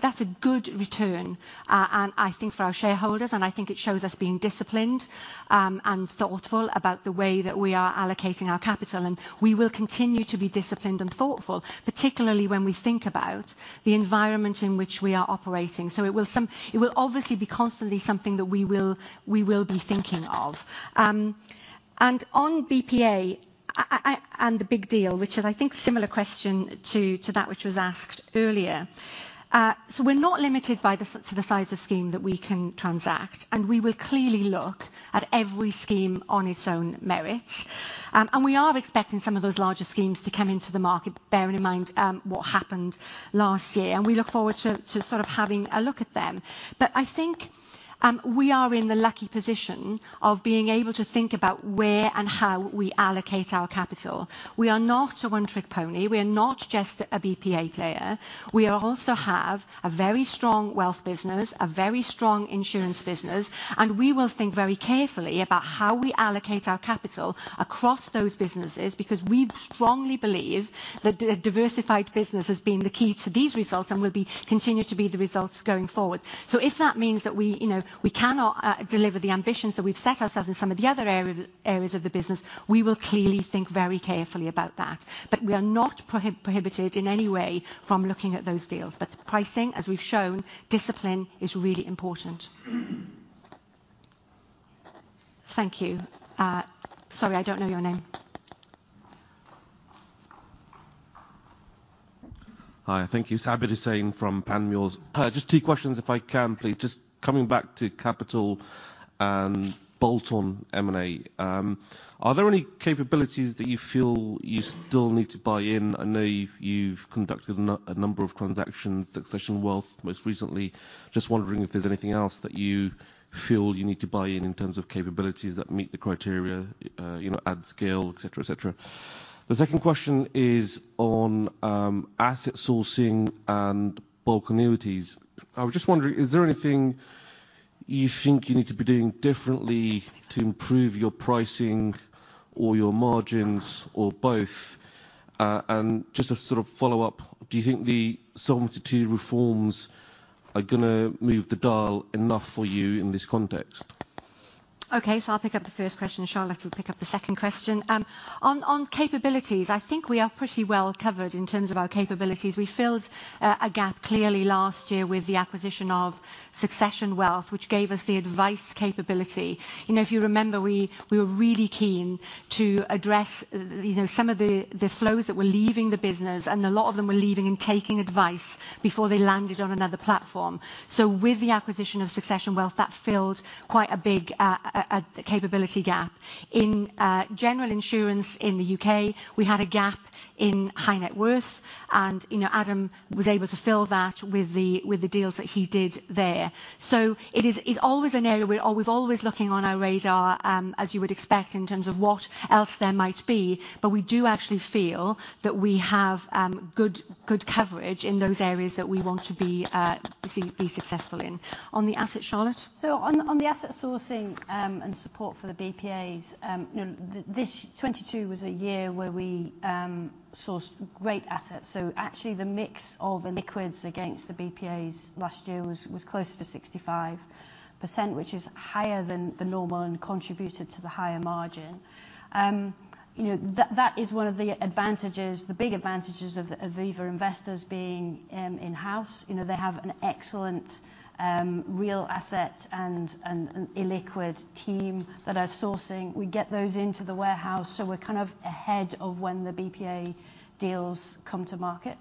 That's a good return. I think for our shareholders, I think it shows us being disciplined, thoughtful about the way that we are allocating our capital. We will continue to be disciplined and thoughtful, particularly when we think about the environment in which we are operating. It will obviously be constantly something that we will be thinking of. On BPA, The big deal, which is I think similar question to that which was asked earlier. We're not limited by the size of scheme that we can transact. We will clearly look at every scheme on its own merit. We are expecting some of those larger schemes to come into the market, bearing in mind, what happened last year, and we look forward to sort of having a look at them. I think, we are in the lucky position of being able to think about where and how we allocate our capital. We are not a one-trick pony. We are not just a BPA player. We also have a very strong Wealth business, a very strong Insurance business, and we will think very carefully about how we allocate our capital across those businesses, because we strongly believe that a diversified business has been the key to these results and will continue to be the results going forward. If that means that we, you know, we cannot deliver the ambitions that we've set ourselves in some of the other areas of the business, we will clearly think very carefully about that. We are not prohibited in any way from looking at those deals. Pricing, as we've shown, discipline is really important. Thank you. Sorry, I don't know your name. Hi, thank you. Abid Hussain from Panmure Liberum. Just two questions if I can please. Just coming back to Capital and bolt-on M&A. Are there any capabilities that you feel you still need to buy in? I know you've conducted a number of transactions, Succession Wealth most recently. Just wondering if there's anything else that you feel you need to buy in terms of capabilities that meet the criteria, you know, ad scale, et cetera. The second question is on asset sourcing and bulk annuities. I was just wondering, is there anything you think you need to be doing differently to improve your pricing or your margins or both? Just a sort of follow-up, do you think the Solvency II reforms are gonna move the dial enough for you in this context? Okay. I'll pick up the first question. Charlotte will pick up the second question. On, on capabilities. I think we are pretty well covered in terms of our capabilities. We filled a gap clearly last year with the acquisition of Succession Wealth, which gave us the advice capability. You know, if you remember, we were really keen to address, you know, some of the flows that were leaving the business, and a lot of them were leaving and taking advice before they landed on another platform. With the acquisition of Succession Wealth, that filled quite a big, a capability gap. In General Insurance in the UK, we had a gap in high net worth, and, you know, Adam was able to fill that with the, with the deals that he did there. It is, it's always an area we're always looking on our radar, as you would expect in terms of what else there might be, but we do actually feel that we have good coverage in those areas that we want to be, to be successful in. On the asset, Charlotte. On the asset sourcing, and support for the BPAs, you know, this 2022 was a year where we sourced great assets. Actually the mix of illiquids against the BPAs last year was closer to 65%, which is higher than the normal and contributed to the higher margin. You know, that is one of the advantages, the big advantages of Aviva Investors being in-house. You know, they have an excellent real asset and illiquid team that are sourcing. We get those into the warehouse, so we're kind of ahead of when the BPA deals come to market.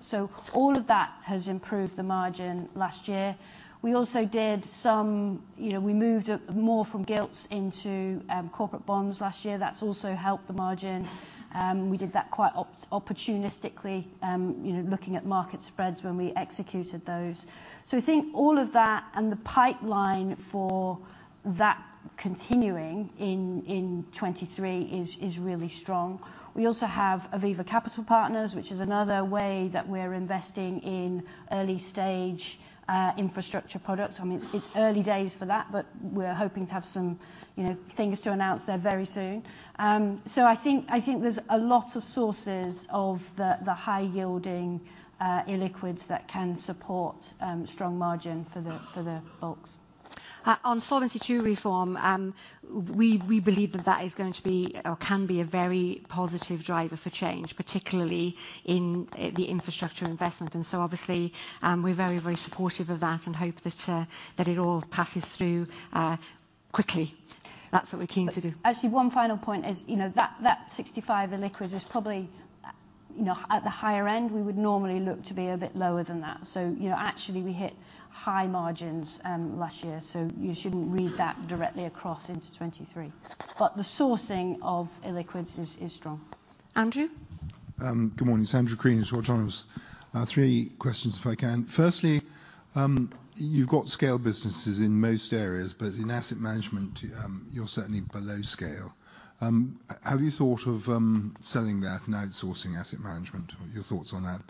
All of that has improved the margin last year. You know, we moved up more from gilts into corporate bonds last year. That's also helped the margin. We did that quite opportunistically, you know, looking at market spreads when we executed those. I think all of that and the pipeline for that continuing in 23 is really strong. We also have Aviva Capital Partners, which is another way that we're investing in early stage infrastructure products. I mean, it's early days for that, but we're hoping to have some, you know, things to announce there very soon. I think there's a lot of sources of the high yielding illiquids that can support strong margin for the bulks. On Solvency II reform, we believe that that is going to be or can be a very positive driver for change, particularly in the infrastructure investment. Obviously, we're very supportive of that and hope that it all passes through quickly. That's what we're keen to do. Actually, one final point is, you know, that 65 illiquids is probably, you know, at the higher end, we would normally look to be a bit lower than that. You know, actually we hit high margins last year. You shouldn't read that directly across into 2023. The sourcing of illiquids is strong. Andrew. Good morning. It's Andrew Crean with Deutsche Bank. Three questions if I can. Firstly, you've got scale businesses in most areas, but in asset management, you're certainly below scale. Have you thought of selling that and outsourcing asset management? Your thoughts on that.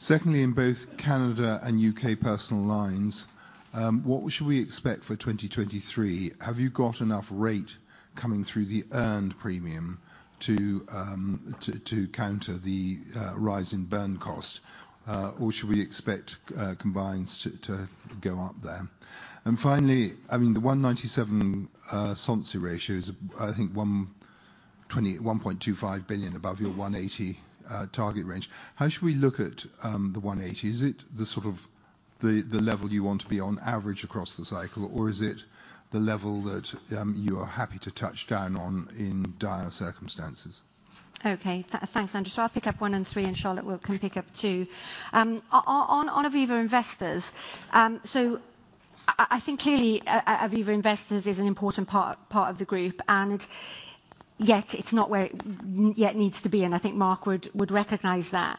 Secondly, in both Canada and UK personal lines, what should we expect for 2023? Have you got enough rate coming through the earned premium to counter the rise in burn cost? Or should we expect combines to go up there? Finally, I mean, the 197 solvency ratio is, I think, 1.25 billion above your 180 target range. How should we look at the 180? Is it the sort of the level you want to be on average across the cycle or is it the level that you are happy to touch down on in dire circumstances? Thanks, Andrew. I'll pick up one and three and Charlotte can pick up two. On Aviva Investors, I think clearly Aviva Investors is an important part of the group, and yet it's not where it yet needs to be, and I think Mark would recognize that.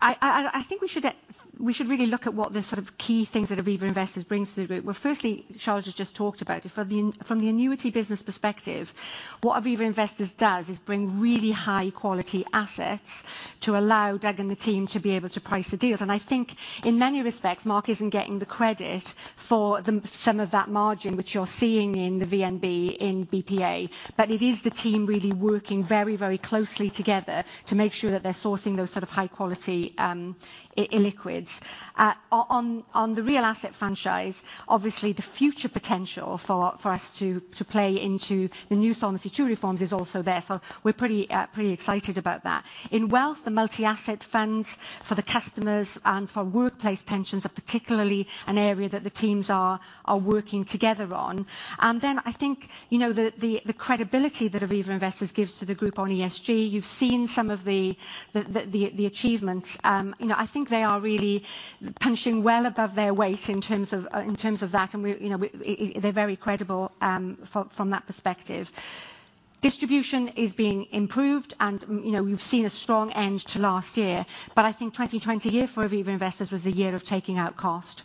I think we should really look at what the sort of key things that Aviva Investors brings to the group. Well, firstly, Charlotte has just talked about it. From the annuity business perspective, what Aviva Investors does is bring really high quality assets to allow Doug and the team to be able to price the deals. I think in many respects, Mark isn't getting the credit for the some of that margin which you're seeing in the VNB in BPA. It is the team really working very closely together to make sure that they're sourcing those sort of high quality illiquids. On the real asset franchise, obviously the future potential for us to play into the new Solvency II reforms is also there. We're pretty excited about that. In wealth, the multi-asset funds for the customers and for workplace pensions are particularly an area that the teams are working together on. I think, you know, the credibility that Aviva Investors gives to the group on ESG, you've seen some of the achievements. You know, I think they are really punching well above their weight in terms of, in terms of that, and you know, we they're very credible from that perspective. Distribution is being improved, you know, we've seen a strong end to last year. I think 2020, year for Aviva investors was the year of taking out cost.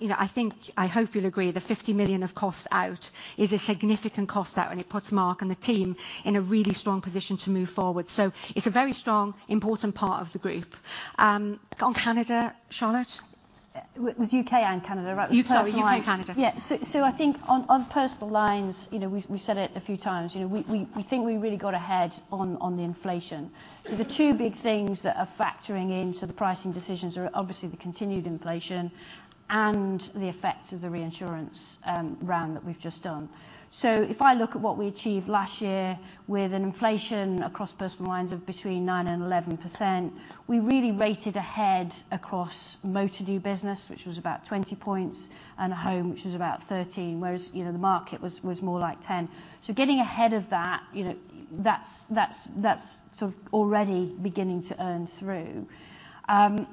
You know, I think, I hope you'll agree, the 50 million of costs out is a significant cost out, and it puts Mark and the team in a really strong position to move forward. It's a very strong, important part of the group. On Canada, Charlotte? It was UK and Canada, right? UK, sorry, UK and Canada. I think on personal lines, you know, we've said it a few times. You know, we think we really got ahead on the inflation. The two big things that are factoring in to the pricing decisions are obviously the continued inflation and the effects of the reInsurance round that we've just done. If I look at what we achieved last year with an inflation across personal lines of between 9% and 11%, we really rated ahead across motor new business, which was about 20 points, and home, which was about 13, whereas, you know, the market was more like 10. Getting ahead of that, you know, that's sort of already beginning to earn through. Then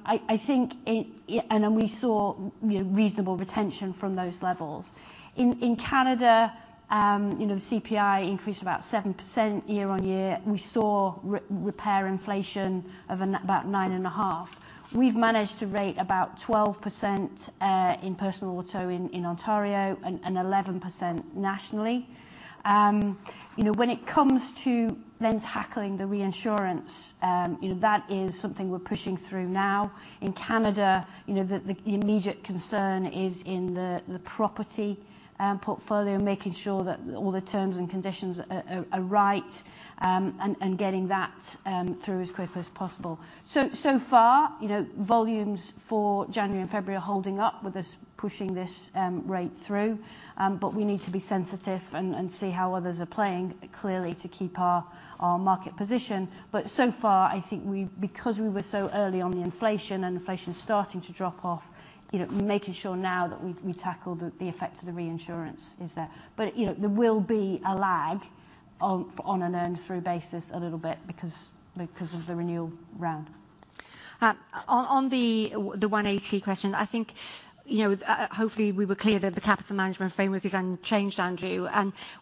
we saw, you know, reasonable retention from those levels. In Canada, you know, the CPI increased about 7% year on year. We saw repair inflation of about 9.5. We've managed to rate about 12% in personal auto in Ontario and 11% nationally. You know, when it comes to then tackling the reInsurance, you know, that is something we're pushing through now. In Canada, you know, the immediate concern is in the property portfolio, making sure that all the terms and conditions are right, and getting that through as quick as possible. So far, you know, volumes for January and February are holding up with this, pushing this rate through. We need to be sensitive and see how others are playing clearly to keep our market position. So far, I think we, because we were so early on the inflation and inflation is starting to drop off, you know, making sure now that we tackle the effect of the reInsurance is there. You know, there will be a lag on an earn through basis a little bit because of the renewal round. On the 180 question, I think, you know, hopefully we were clear that the capital management framework is unchanged, Andrew.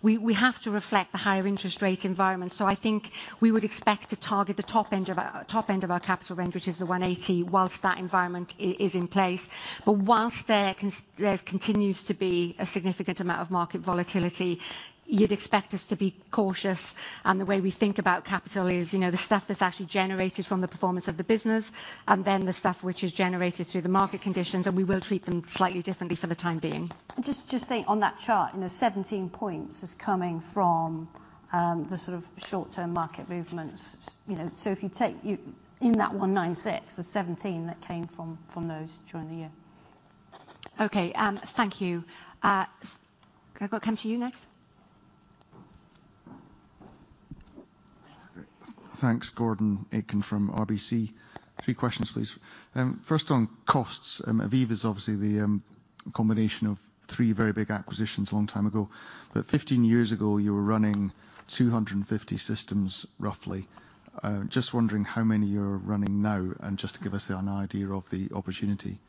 We have to reflect the higher interest rate environment. I think we would expect to target the top end of our capital range, which is the 180, whilst that environment is in place. Whilst there continues to be a significant amount of market volatility, you'd expect us to be cautious. The way we think about capital is, you know, the stuff that's actually generated from the performance of the business and then the stuff which is generated through the market conditions. We will treat them slightly differently for the time being. Just think on that chart, you know, 17 points is coming from the sort of short-term market movements. You know, if you take in that 196, the 17 that came from those during the year. Okay, thank you. Can I come to you next? Great. Thanks, Gordon Aitken from RBC. Three questions, please. First on costs. Aviva's obviously the combination of three very big acquisitions a long time ago. 15 years ago, you were running 250 systems roughly. Just wondering how many you're running now and just to give us an idea of the opportunity.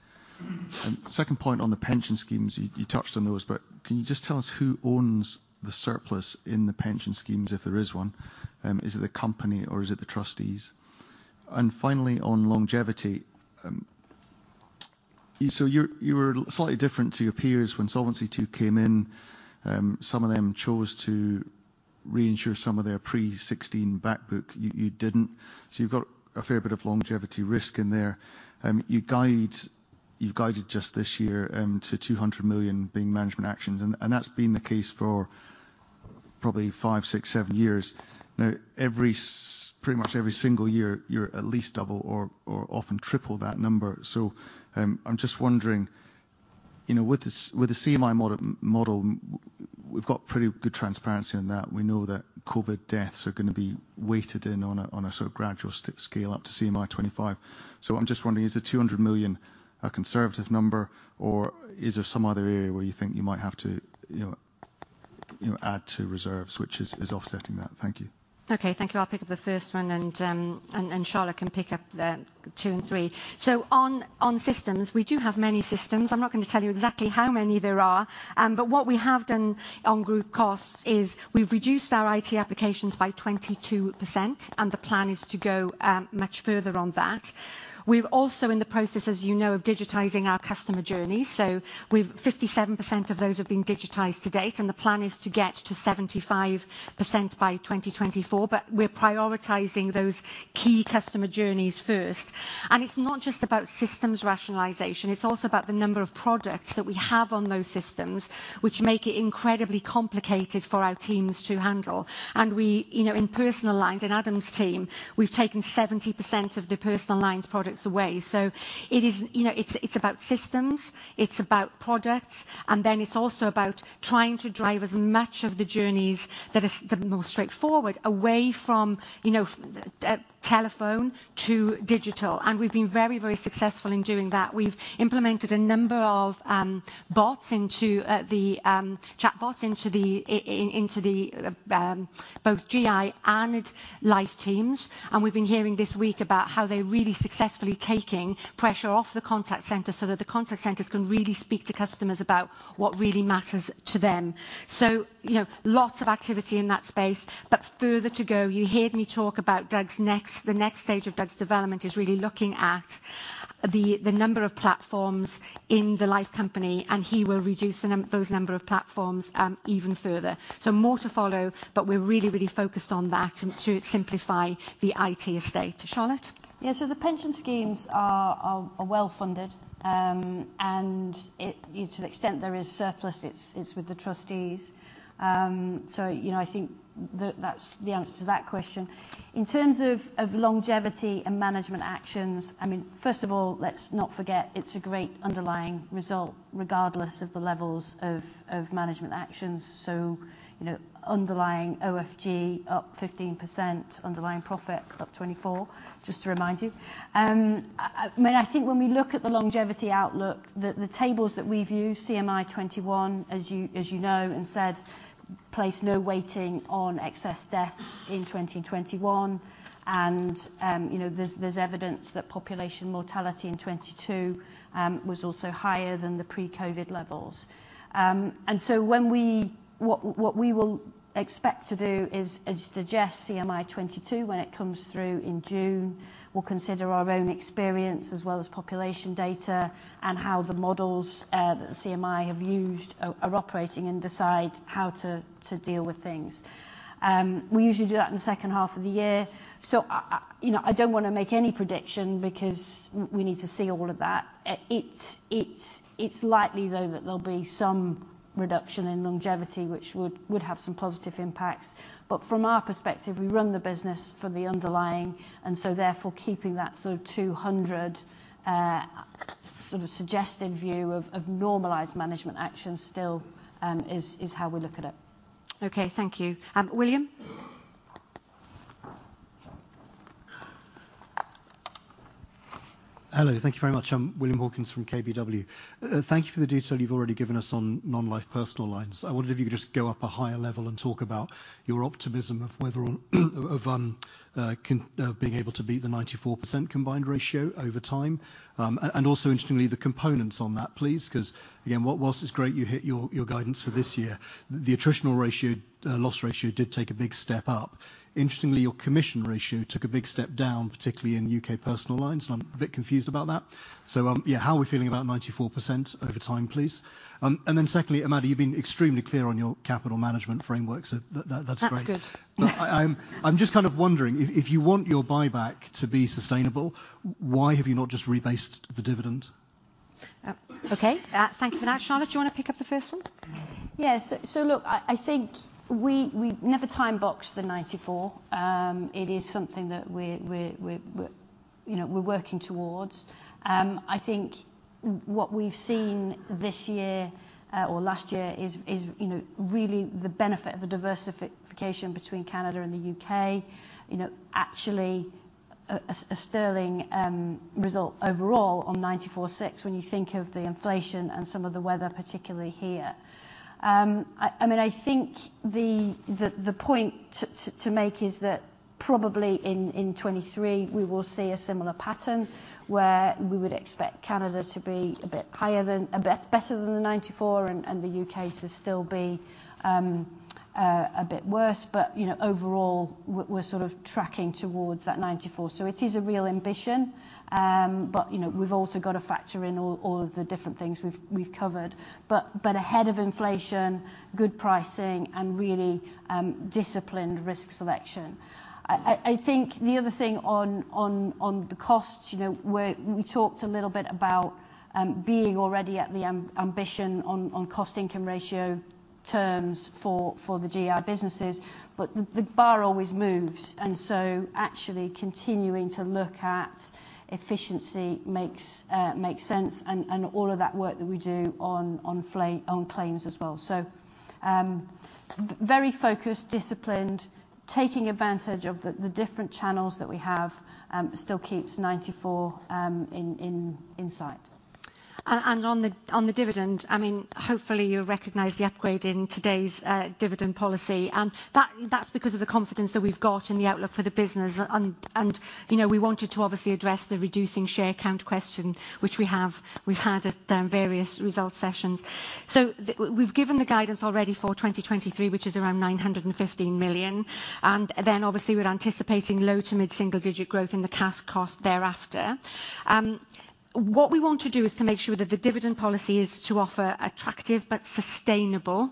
Second point on the pension schemes, you touched on those, but can you just tell us who owns the surplus in the pension schemes, if there is one? Is it the company or is it the trustees? Finally, on longevity, you were slightly different to your peers when Solvency II came in. Some of them chose to reinsure some of their pre 16 back book. You didn't. You've got a fair bit of longevity risk in there. You've guided just this year to 200 million being management actions, and that's been the case for probably five, six, seven years. Pretty much every single year, you're at least double or often triple that number. I'm just wondering, you know, with the CMI model, we've got pretty good transparency on that. We know that COVID deaths are going to be weighted in on a sort of gradual scale up to CMI_2025. I'm just wondering, is the 200 million a conservative number, or is there some other area where you think you might have to add to reserves which is offsetting that? Thank you. Okay. Thank you. I'll pick up the first one. Charlotte can pick up two and three. On Systems, we do have many systems. I'm not gonna tell you exactly how many there are. What we have done on group costs is we've reduced our IT applications by 22%. The plan is to go much further on that. We're also in the process, as you know, of digitizing our customer journey. We've 57% of those have been digitized to date. The plan is to get to 75% by 2024, we're prioritizing those key customer journeys first. It's not just about systems rationalization, it's also about the number of products that we have on those systems, which make it incredibly complicated for our teams to handle. We, you know, in personal lines, in Adam's team, we've taken 70% of the personal lines products away. It is, you know, it's about systems, it's about products, and then it's also about trying to drive as much of the journeys that are the most straightforward away from, you know, the telephone to digital. We've been very, very successful in doing that. We've implemented a number of bots into the chatbots into the both GI and Life teams. We've been hearing this week about how they're really successfully taking pressure off the contact center so that the contact centers can really speak to customers about what really matters to them. You know, lots of activity in that space, but further to go. You heard me talk about the next stage of Doug's development is really looking the number of platforms in the life company, and he will reduce those number of platforms, even further. More to follow. We're really focused on that to simplify the IT estate. Charlotte? Yeah. The pension schemes are well funded. To the extent there is surplus, it's with the trustees. You know, I think that's the answer to that question. In terms of longevity and management actions, I mean, first of all, let's not forget it's a great underlying result regardless of the levels of management actions. You know, underlying OFG up 15%, underlying profit up 24%, just to remind you. I mean, I think when we look at the longevity outlook, the tables that we view CMI_2021, as you know and said, place no weighting on excess deaths in 2021. You know, there's evidence that population mortality in 2022 was also higher than the pre-COVID levels. When we... What we will expect to do is suggest CMI_2022 when it comes through in June. We'll consider our own experience as well as population data and how the models that CMI have used are operating and decide how to deal with things. We usually do that in the second half of the year. You know, I don't wanna make any prediction because we need to see all of that. It's likely though that there'll be some reduction in longevity which would have some positive impacts. From our perspective, we run the business for the underlying, therefore keeping that sort of 200 sort of suggested view of normalized management action still is how we look at it. Okay. Thank you. William? Hello. Thank you very much. I'm William Hawkins from KBW. Thank you for the detail you've already given us on non-life personal lines. I wondered if you could just go up a higher level and talk about your optimism of whether or of, being able to beat the 94% combined ratio over time. Also interestingly, the components on that, please. 'Cause again, whilst it's great you hit your guidance for this year, the attritional ratio, loss ratio did take a big step up. Interestingly, your commission ratio took a big step down, particularly in UK personal lines, and I'm a bit confused about that. Yeah, how are we feeling about 94% over time, please? Then secondly, Amanda, you've been extremely clear on your capital management framework, so that, that's great. That's good. I'm just kind of wondering if you want your buyback to be sustainable, why have you not just rebased the dividend? Okay. Thank you for that. Charlotte, do you wanna pick up the first one? Look, I think we never time boxed the 94%. It is something that we're, you know, working towards. I think what we've seen this year, or last year is, you know, really the benefit of the diversification between Canada and the UK. You know, actually a sterling result overall on 94.6% when you think of the inflation and some of the weather particularly here. I mean, I think the point to make is that probably in 2023, we will see a similar pattern where we would expect Canada to be a bit higher than better than the 94% and the UK to still be a bit worse. You know, overall we're sort of tracking towards that 94%. It is a real ambition. You know, we've also got to factor in all of the different things we've covered. But ahead of inflation, good pricing, and really disciplined risk selection. I think the other thing on the costs, you know, we talked a little bit about being already at the ambition on cost-income ratio terms for the GI businesses. The bar always moves, actually continuing to look at efficiency makes sense and all of that work that we do on claims as well. Very focused, disciplined, taking advantage of the different channels that we have, still keeps 94% in sight. On the dividend, I mean, hopefully you recognize the upgrade in today's dividend policy. That's because of the confidence that we've got in the outlook for the business. You know, we wanted to obviously address the reducing share count question which we've had at various results sessions. We've given the guidance already for 2023, which is around 915 million. Then obviously we're anticipating low to mid-single digit growth in the CAS cost thereafter. What we want to do is to make sure that the dividend policy is to offer attractive but sustainable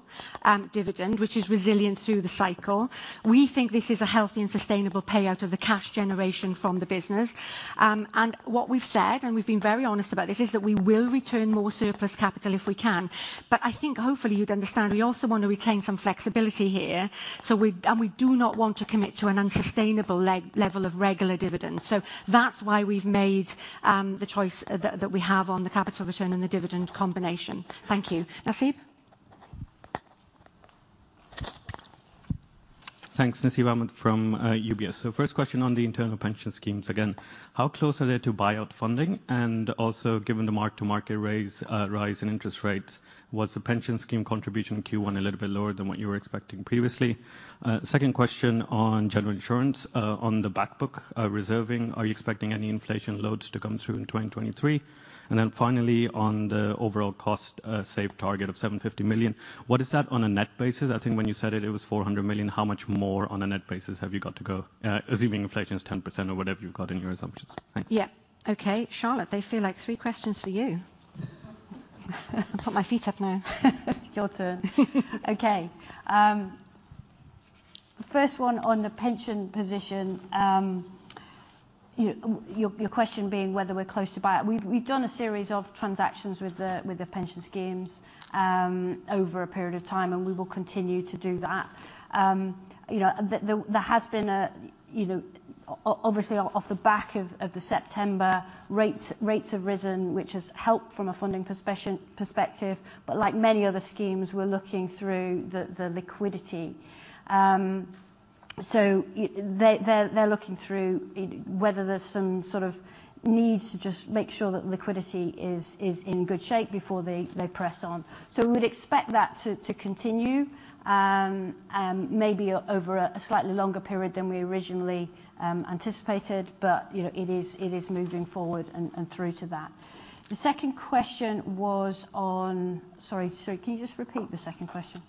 dividend, which is resilient through the cycle. We think this is a healthy and sustainable payout of the cash generation from the business. What we've said, and we've been very honest about this, is that we will return more surplus capital if we can. I think hopefully you'd understand we also want to retain some flexibility here, and we do not want to commit to an unsustainable level of regular dividends. That's why we've made the choice that we have on the capital return and the dividend combination. Thank you. Nasib? Thanks. Nasib Ahmed from UBS. First question on the internal pension schemes. Again, how close are they to buyout funding? Also given the mark-to-market raise, rise in interest rates, was the pension scheme contribution in Q1 a little bit lower than what you were expecting previously? Second question on General Insurance. On the back book, reserving, are you expecting any inflation loads to come through in 2023? Finally, on the overall cost, save target of 750 million, what is that on a net basis? I think when you said it was 400 million. How much more on a net basis have you got to go, assuming inflation is 10% or whatever you've got in your assumptions? Thanks. Yeah. Okay. Charlotte, they feel like three questions for you. I'll put my feet up now. Your turn. Okay. First one on the pension position, your question being whether we're close to buy it. We've, we've done a series of transactions with the pension schemes over a period of time, and we will continue to do that. You know, there has been a, you know, obviously off the back of the September rates have risen, which has helped from a funding perspective. Like many other schemes, we're looking through the liquidity. They're looking through it, whether there's some sort of need to just make sure that liquidity is in good shape before they press on. We'd expect that to continue, maybe over a slightly longer period than we originally anticipated. You know, it is moving forward and through to that. The second question was on. Sorry, can you just repeat the second question?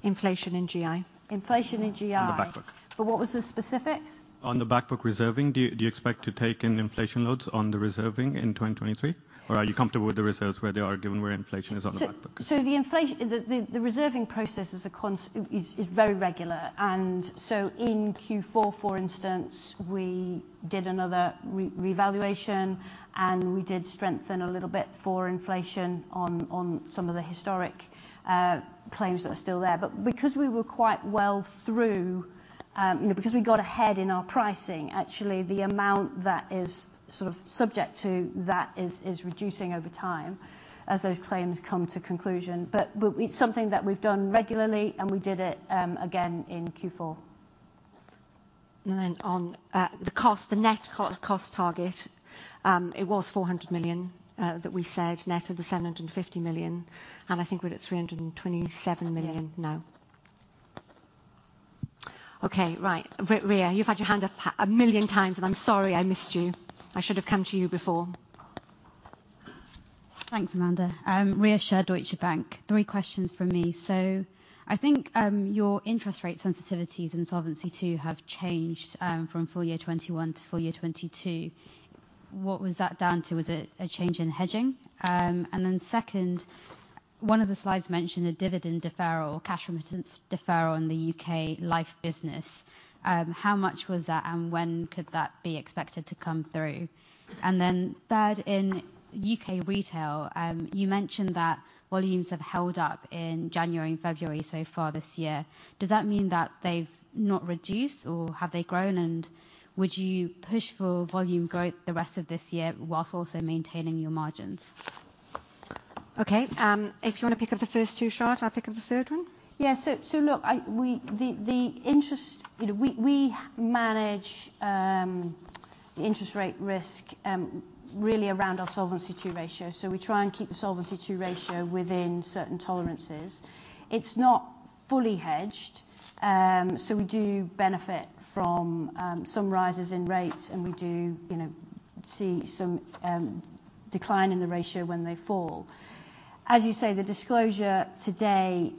It was on General Insurance, sorry. Inflation in GI. Inflation in GI. On the back book. What was the specifics? On the back book reserving. Do you expect to take in inflation loads on the reserving in 2023? Are you comfortable with the reserves where they are given where inflation is on the back book? The reserving process Is very regular. In Q4, for instance, we did another revaluation, and we did strengthen a little bit for inflation on some of the historic claims that are still there. Because we were quite well through, you know, because we got ahead in our pricing, actually the amount that is sort of subject to that is reducing over time as those claims come to conclusion. It's something that we've done regularly, and we did it again in Q4. On, the cost, the net cost target, it was 400 million, that we said net of the 750 million, and I think we're at 327 million now. Okay. Right. Rhea, you've had your hand up a million times, and I'm sorry I missed you. I should have come to you before. Thanks, Amanda. Rhea Shah, Deutsche Bank. Three questions from me. I think your interest rate sensitivities in Solvency II have changed from full year 2021 to full year 2022. What was that down to? Was it a change in hedging? Second, one of the slides mentioned a dividend deferral, cash remittance deferral in the UK Life business. How much was that, and when could that be expected to come through? Third, in UK Retail, you mentioned that volumes have held up in January and February so far this year. Does that mean that they've not reduced or have they grown? Would you push for volume growth the rest of this year whilst also maintaining your margins? Okay. If you wanna pick up the first two, Charlotte, I'll pick up the third one. The interest, you know, we manage the interest rate risk really around our Solvency II ratio. We try and keep the Solvency II ratio within certain tolerances. It's not fully hedged. We do benefit from some rises in rates, and we do, you know, see some decline in the ratio when they fall. As you say, the disclosure today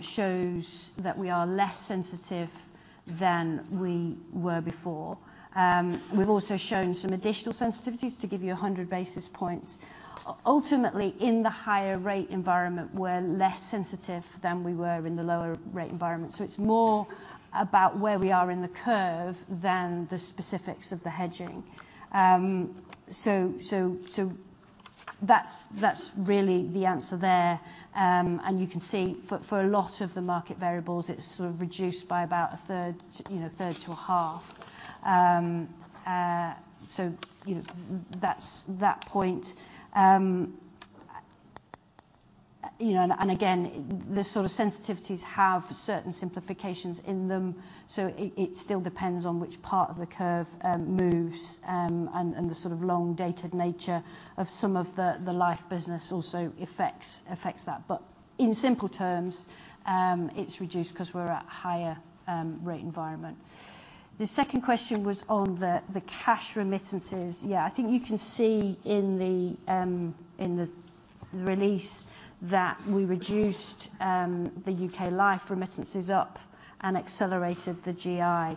shows that we are less sensitive than we were before. We've also shown some additional sensitivities to give you 100 basis points. Ultimately, in the higher rate environment, we're less sensitive than we were in the lower rate environment. It's more about where we are in the curve than the specifics of the hedging. That's really the answer there. You can see for a lot of the market variables, it's sort of reduced by about a third, you know, third to a half. That's that point. You know, and again, the sort of sensitivities have certain simplifications in them. It still depends on which part of the curve moves, and the sort of long-dated nature of some of the Life business also affects that. In simple terms, it's reduced 'cause we're at higher rate environment. The second question was on the Cash Remittances. Yeah. I think you can see in the release that we reduced the UK Life remittances up and accelerated the GI.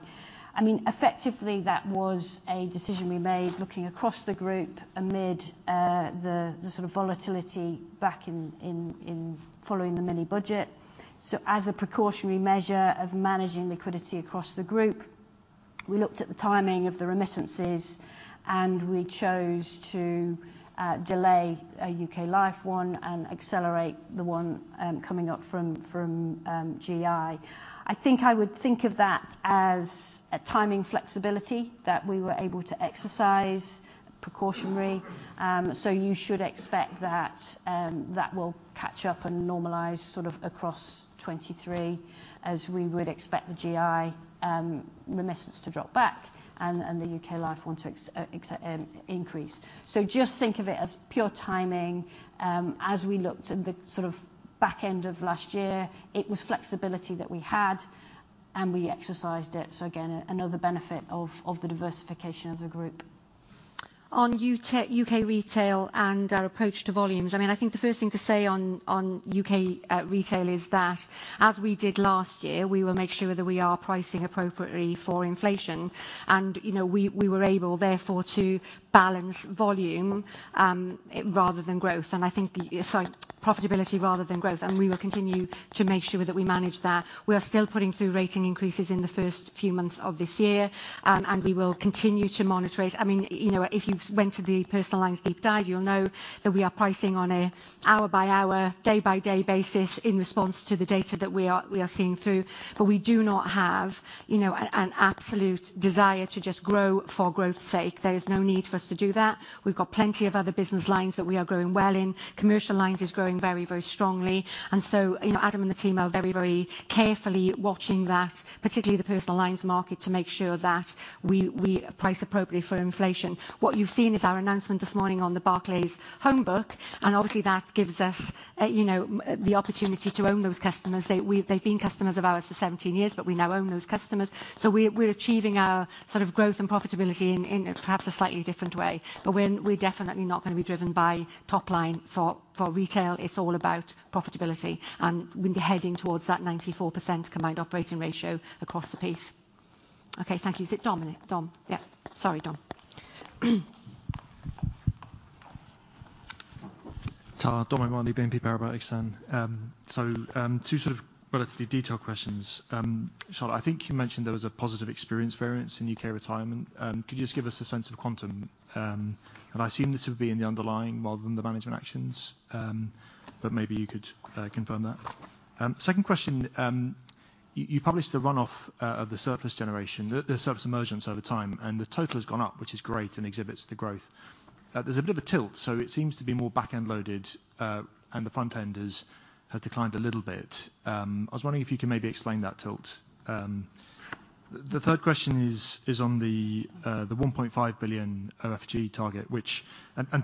I mean, effectively that was a decision we made looking across the group amid the sort of volatility back in following the Mini-Budget. As a precautionary measure of managing liquidity across the group, we looked at the timing of the remittances, and we chose to delay a UK Life one and accelerate the one coming up from GI. I think I would think of that as a timing flexibility that we were able to exercise precautionary. You should expect that that will catch up and normalize sort of across 2023, as we would expect the GI remittance to drop back and the UK Life one to increase. Just think of it as pure timing. As we looked at the sort of back end of last year, it was flexibility that we had, and we exercised it. Again, another benefit of the diversification of the group. On UK Retail and our approach to volumes, I mean, I think the first thing to say on UK Retail is that as we did last year, we will make sure that we are pricing appropriately for inflation. You know, we were able, therefore, to balance volume, rather than growth, Sorry, profitability rather than growth. We will continue to make sure that we manage that. We are still putting through rate increases in the first few months of this year. We will continue to monitor it. I mean, you know, if you went to the Personal lines deep dive, you'll know that we are pricing on a hour-by-hour, day-by-day basis in response to the data that we are seeing through. We do not have, you know, an absolute desire to just grow for growth's sake. There is no need for us to do that. We've got plenty of other business lines that we are growing well in. Commercial lines is growing very, very strongly. You know, Adam and the team are very, very carefully watching that, particularly the personal lines market, to make sure that we price appropriately for inflation. What you've seen is our announcement this morning on the Barclays home book, and obviously that gives us, you know, the opportunity to own those customers. They've been customers of ours for 17 years, but we now own those customers. We're achieving our sort of growth and profitability in perhaps a slightly different way. We're definitely not gonna be driven by top line for Retail. It's all about profitability. We'll be heading towards that 94% combined operating ratio across the piece. Okay, thank you. Is it Dom? Dom. Yeah. Sorry, Dom. Ta. Dominic O'Mahony, Exane BNP Paribas. Two sort of relatively detailed questions. Charlotte, I think you mentioned there was a positive experience variance in UK retirement. Could you just give us a sense of quantum? I assume this would be in the underlying rather than the management actions, but maybe you could confirm that. Second question, you published the run-off of the surplus generation, the surplus emergence over time, and the total has gone up, which is great and exhibits the growth. There's a bit of a tilt, so it seems to be more back-end loaded, and the front-end has declined a little bit. I was wondering if you could maybe explain that tilt. The third question is on the 1.5 billion OFG target, which...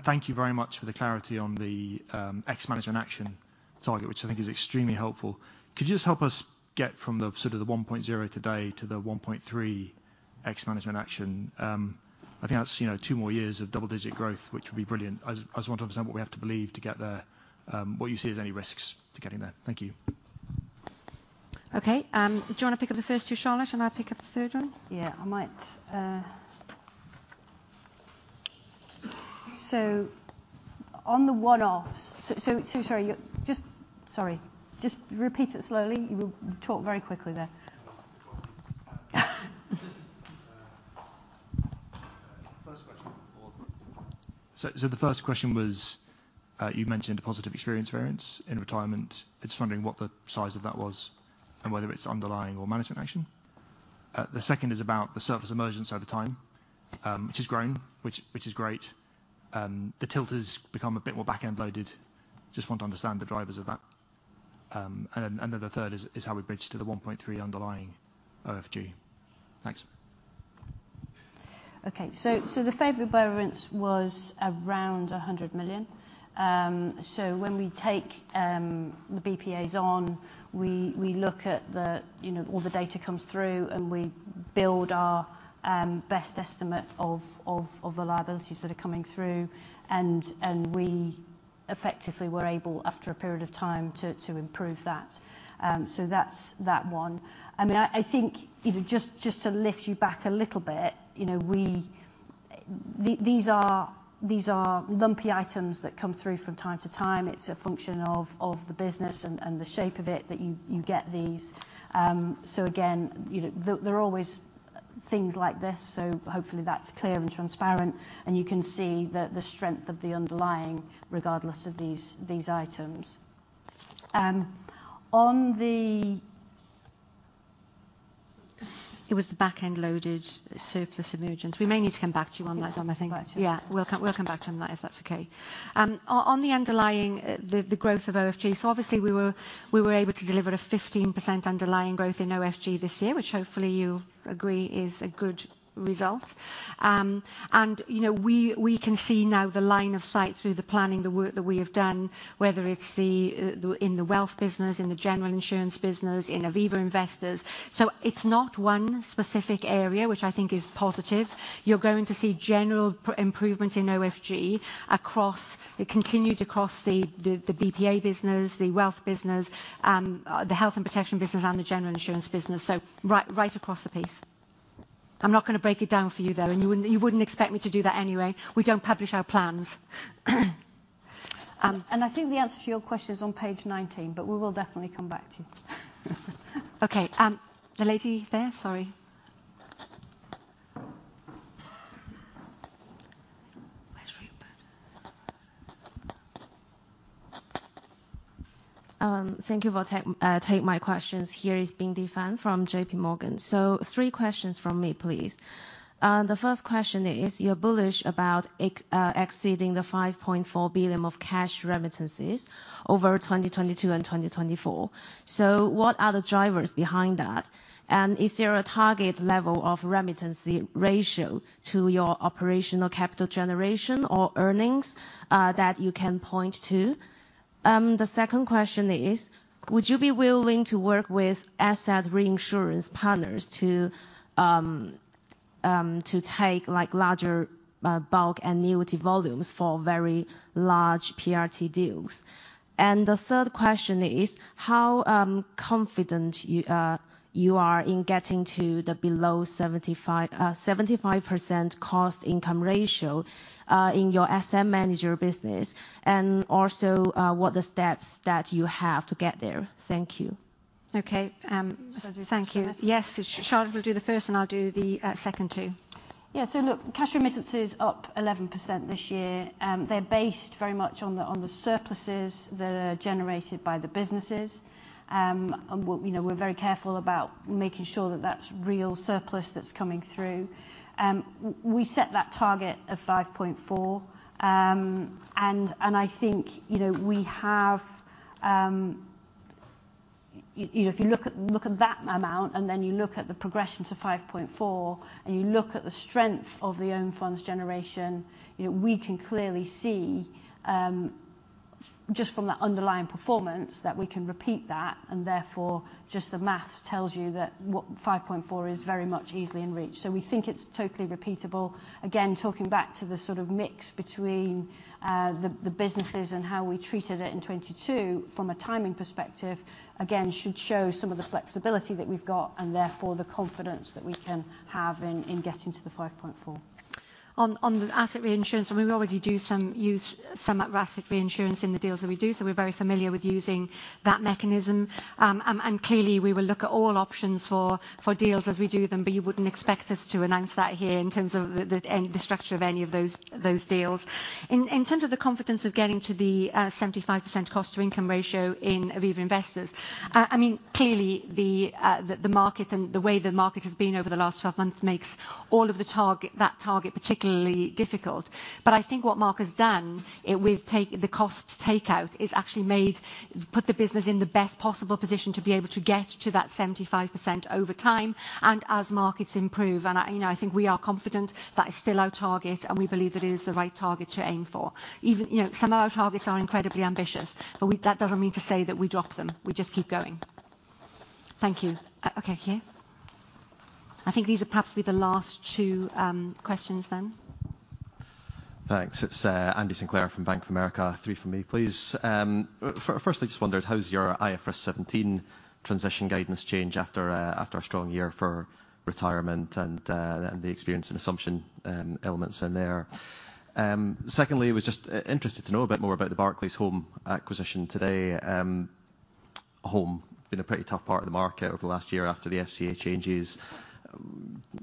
Thank you very much for the clarity on the ex-management action target, which I think is extremely helpful. Could you just help us get from the sort of the 1.0 today to the 1.3 ex-management action? I think that's, you know, two more years of double-digit growth, which would be brilliant. I just want to understand what we have to believe to get there, what you see as any risks to getting there. Thank you. Okay. Do you wanna pick up the first two, Charlotte, and I'll pick up the third one? Yeah. I might. On the one-offs. Sorry. Sorry. Repeat it slowly. You talk very quickly there. No problems. First question. The first question was, you mentioned a positive experience variance in retirement. Just wondering what the size of that was and whether it's underlying or management action. The second is about the surplus emergence over time, which has grown, which is great. The tilt has become a bit more back-end loaded. Just want to understand the drivers of that. The third is how we bridge to the 1.3 underlying OFG. Thanks. Okay. The favorite variance was around 100 million. When we take the BPAs on, we look at the... You know, all the data comes through, and we build our best estimate of the liabilities that are coming through. We effectively were able, after a period of time, to improve that. That's that one. I mean, I think, you know, just to lift you back a little bit, you know, we... These are lumpy items that come through from time to time. It's a function of the business and the shape of it that you get these. Again, you know, there are always things like this, so hopefully that's clear and transparent, and you can see the strength of the underlying regardless of these items. On the It was the back-end loaded surplus emergence. We may need to come back to you on that one, I think. Right. Yeah. We'll come back to him if that's okay. On the underlying, the growth of OFG, obviously we were able to deliver a 15% underlying growth in OFG this year, which hopefully you agree is a good result. You know, we can see now the line of sight through the planning, the work that we have done, whether it's in the Wealth business, in the General Insurance business, in Aviva Investors. It's not one specific area which I think is positive. You're going to see general improvement in OFG across, continued across the BPA business, the Wealth business, the health and protection business, and the General Insurance business, right across the piece. I'm not gonna break it down for you, though, and you wouldn't expect me to do that anyway. We don't publish our plans. I think the answer to your question is on page 19, but we will definitely come back to you. Okay, the lady there. Sorry. Where's your pen? Thank you for take my questions. Here is Farooq Hanif from JP Morgan. Three questions from me, please. The first question is, you're bullish about exceeding the 5.4 billion of Cash Remittances over 2022 and 2024. What are the drivers behind that? Is there a target level of remittance ratio to your operational capital generation or earnings that you can point to? The second question is: would you be willing to work with asset reInsurance partners to take, like, larger bulk annuity volumes for very large PRT deals? The third question is: how confident you are in getting to the below 75% cost income ratio in your asset manager business? Also, what are the steps that you have to get there? Thank you. Okay. Thank you. Charlotte, do you wanna start? Yes. Charlotte will do the first, and I'll do the second two. Yeah. look, Cash Remittances are up 11% this year. They're based very much on the surpluses that are generated by the businesses. You know, we're very careful about making sure that that's real surplus that's coming through. We set that target of 5.4. I think, you know, we have. You know, if you look at that amount, you look at the progression to 5.4, you look at the strength of the Own Funds Generation, you know, we can clearly see just from that underlying performance that we can repeat that and therefore just the maths tells you that 5.4 is very much easily in reach. We think it's totally repeatable. Talking back to the sort of mix between the businesses and how we treated it in 2022 from a timing perspective, again, should show some of the flexibility that we've got and therefore the confidence that we can have in getting to the 5.4. On the asset reInsurance, we already do some asset reInsurance in the deals that we do, so we're very familiar with using that mechanism. Clearly, we will look at all options for deals as we do them, but you wouldn't expect us to announce that here in terms of the structure of any of those deals. In terms of the confidence of getting to the 75% cost to income ratio in Aviva Investors, I mean, clearly the market and the way the market has been over the last 12 months makes all of the target, that target particularly difficult. I think what Mark has done with the cost takeout is actually put the business in the best possible position to be able to get to that 75% over time and as markets improve. You know, I think we are confident that is still our target, and we believe it is the right target to aim for. Even, you know, some of our targets are incredibly ambitious, but that doesn't mean to say that we drop them. We just keep going. Thank you. Okay, here. I think these are perhaps be the last two questions then. Thanks. It's Andrew Sinclair from Bank of America. Three from me, please. Firstly, just wondered how's your IFRS 17 transition guidance change after a strong year for retirement and the experience and assumption elements in there. Secondly, I was just interested to know a bit more about the Barclays Home acquisition today. Home been a pretty tough part of the market over the last year after the FCA changes.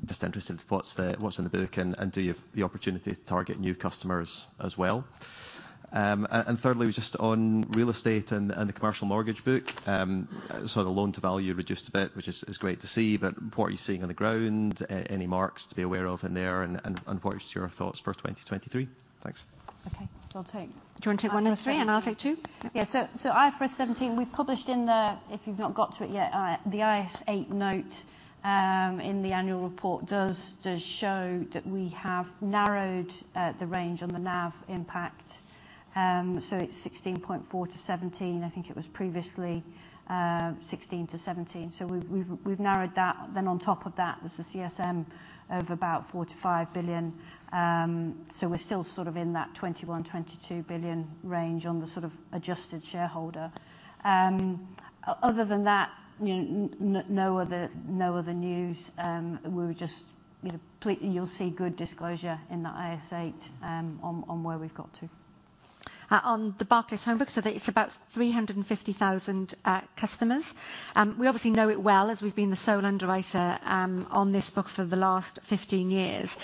Just interested what's in the book and do you have the opportunity to target new customers as well? Thirdly, just on real estate and the commercial mortgage book, the loan to value reduced a bit, which is great to see, but what are you seeing on the ground? Any marks to be aware of in there? What is your thoughts for 2023? Thanks. Okay. I'll take- Do you want to take one and three, and I'll take two? IFRS 17 we've published in the, if you've not got to it yet, the IS8 note in the annual report does show that we have narrowed the range on the NAV impact. It's 16.4-17. I think it was previously 16-17. We've narrowed that. On top of that, there's a CSM of about 4 billion-5 billion. We're still sort of in that 21 billion-22 billion range on the sort of adjusted shareholder. Other than that, you know, no other news. We were just, you know, you'll see good disclosure in the IS8 on where we've got to. On the Barclays Home book, it's about 350,000 customers. We obviously know it well as we've been the sole underwriter on this book for the last 15 years.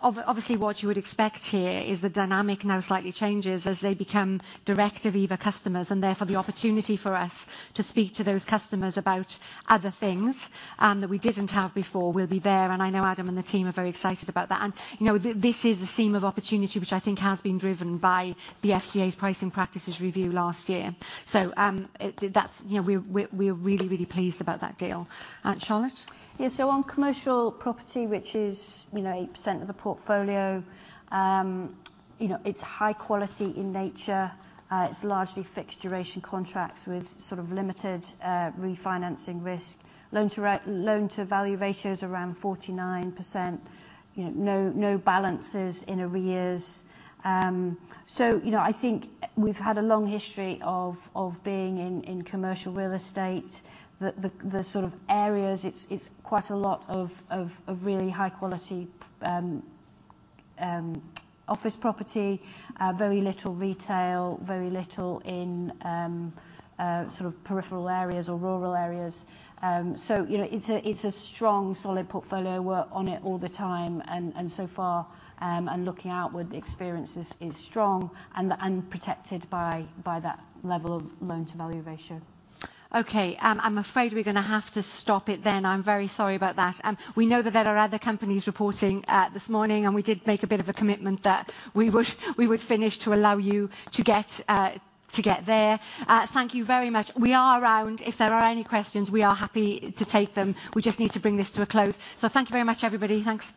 Obviously what you would expect here is the dynamic now slightly changes as they become direct Aviva customers, and therefore, the opportunity for us to speak to those customers about other things that we didn't have before will be there. I know Adam and the team are very excited about that. You know, this is the theme of opportunity which I think has been driven by the FCA's pricing practices review last year. That's, you know, we're really, really pleased about that deal. Charlotte? Yeah. On commercial property, which is, you know, 8% of the portfolio, you know, it's high quality in nature. It's largely fixed duration contracts with sort of limited refinancing risk. Loan to value ratio is around 49%. You know, no balances in arrears. You know, I think we've had a long history of being in commercial real estate. The sort of areas, it's quite a lot of really high quality office property. Very little retail, very little in sort of peripheral areas or rural areas. You know, it's a strong, solid portfolio. We're on it all the time, and so far, and looking outward, the experience is strong and protected by that level of loan to value ratio. Okay. I'm afraid we're gonna have to stop it then. I'm very sorry about that. We know that there are other companies reporting this morning. We did make a bit of a commitment that we would finish to allow you to get there. Thank you very much. We are around. If there are any questions, we are happy to take them. We just need to bring this to a close. Thank you very much, everybody. Thanks.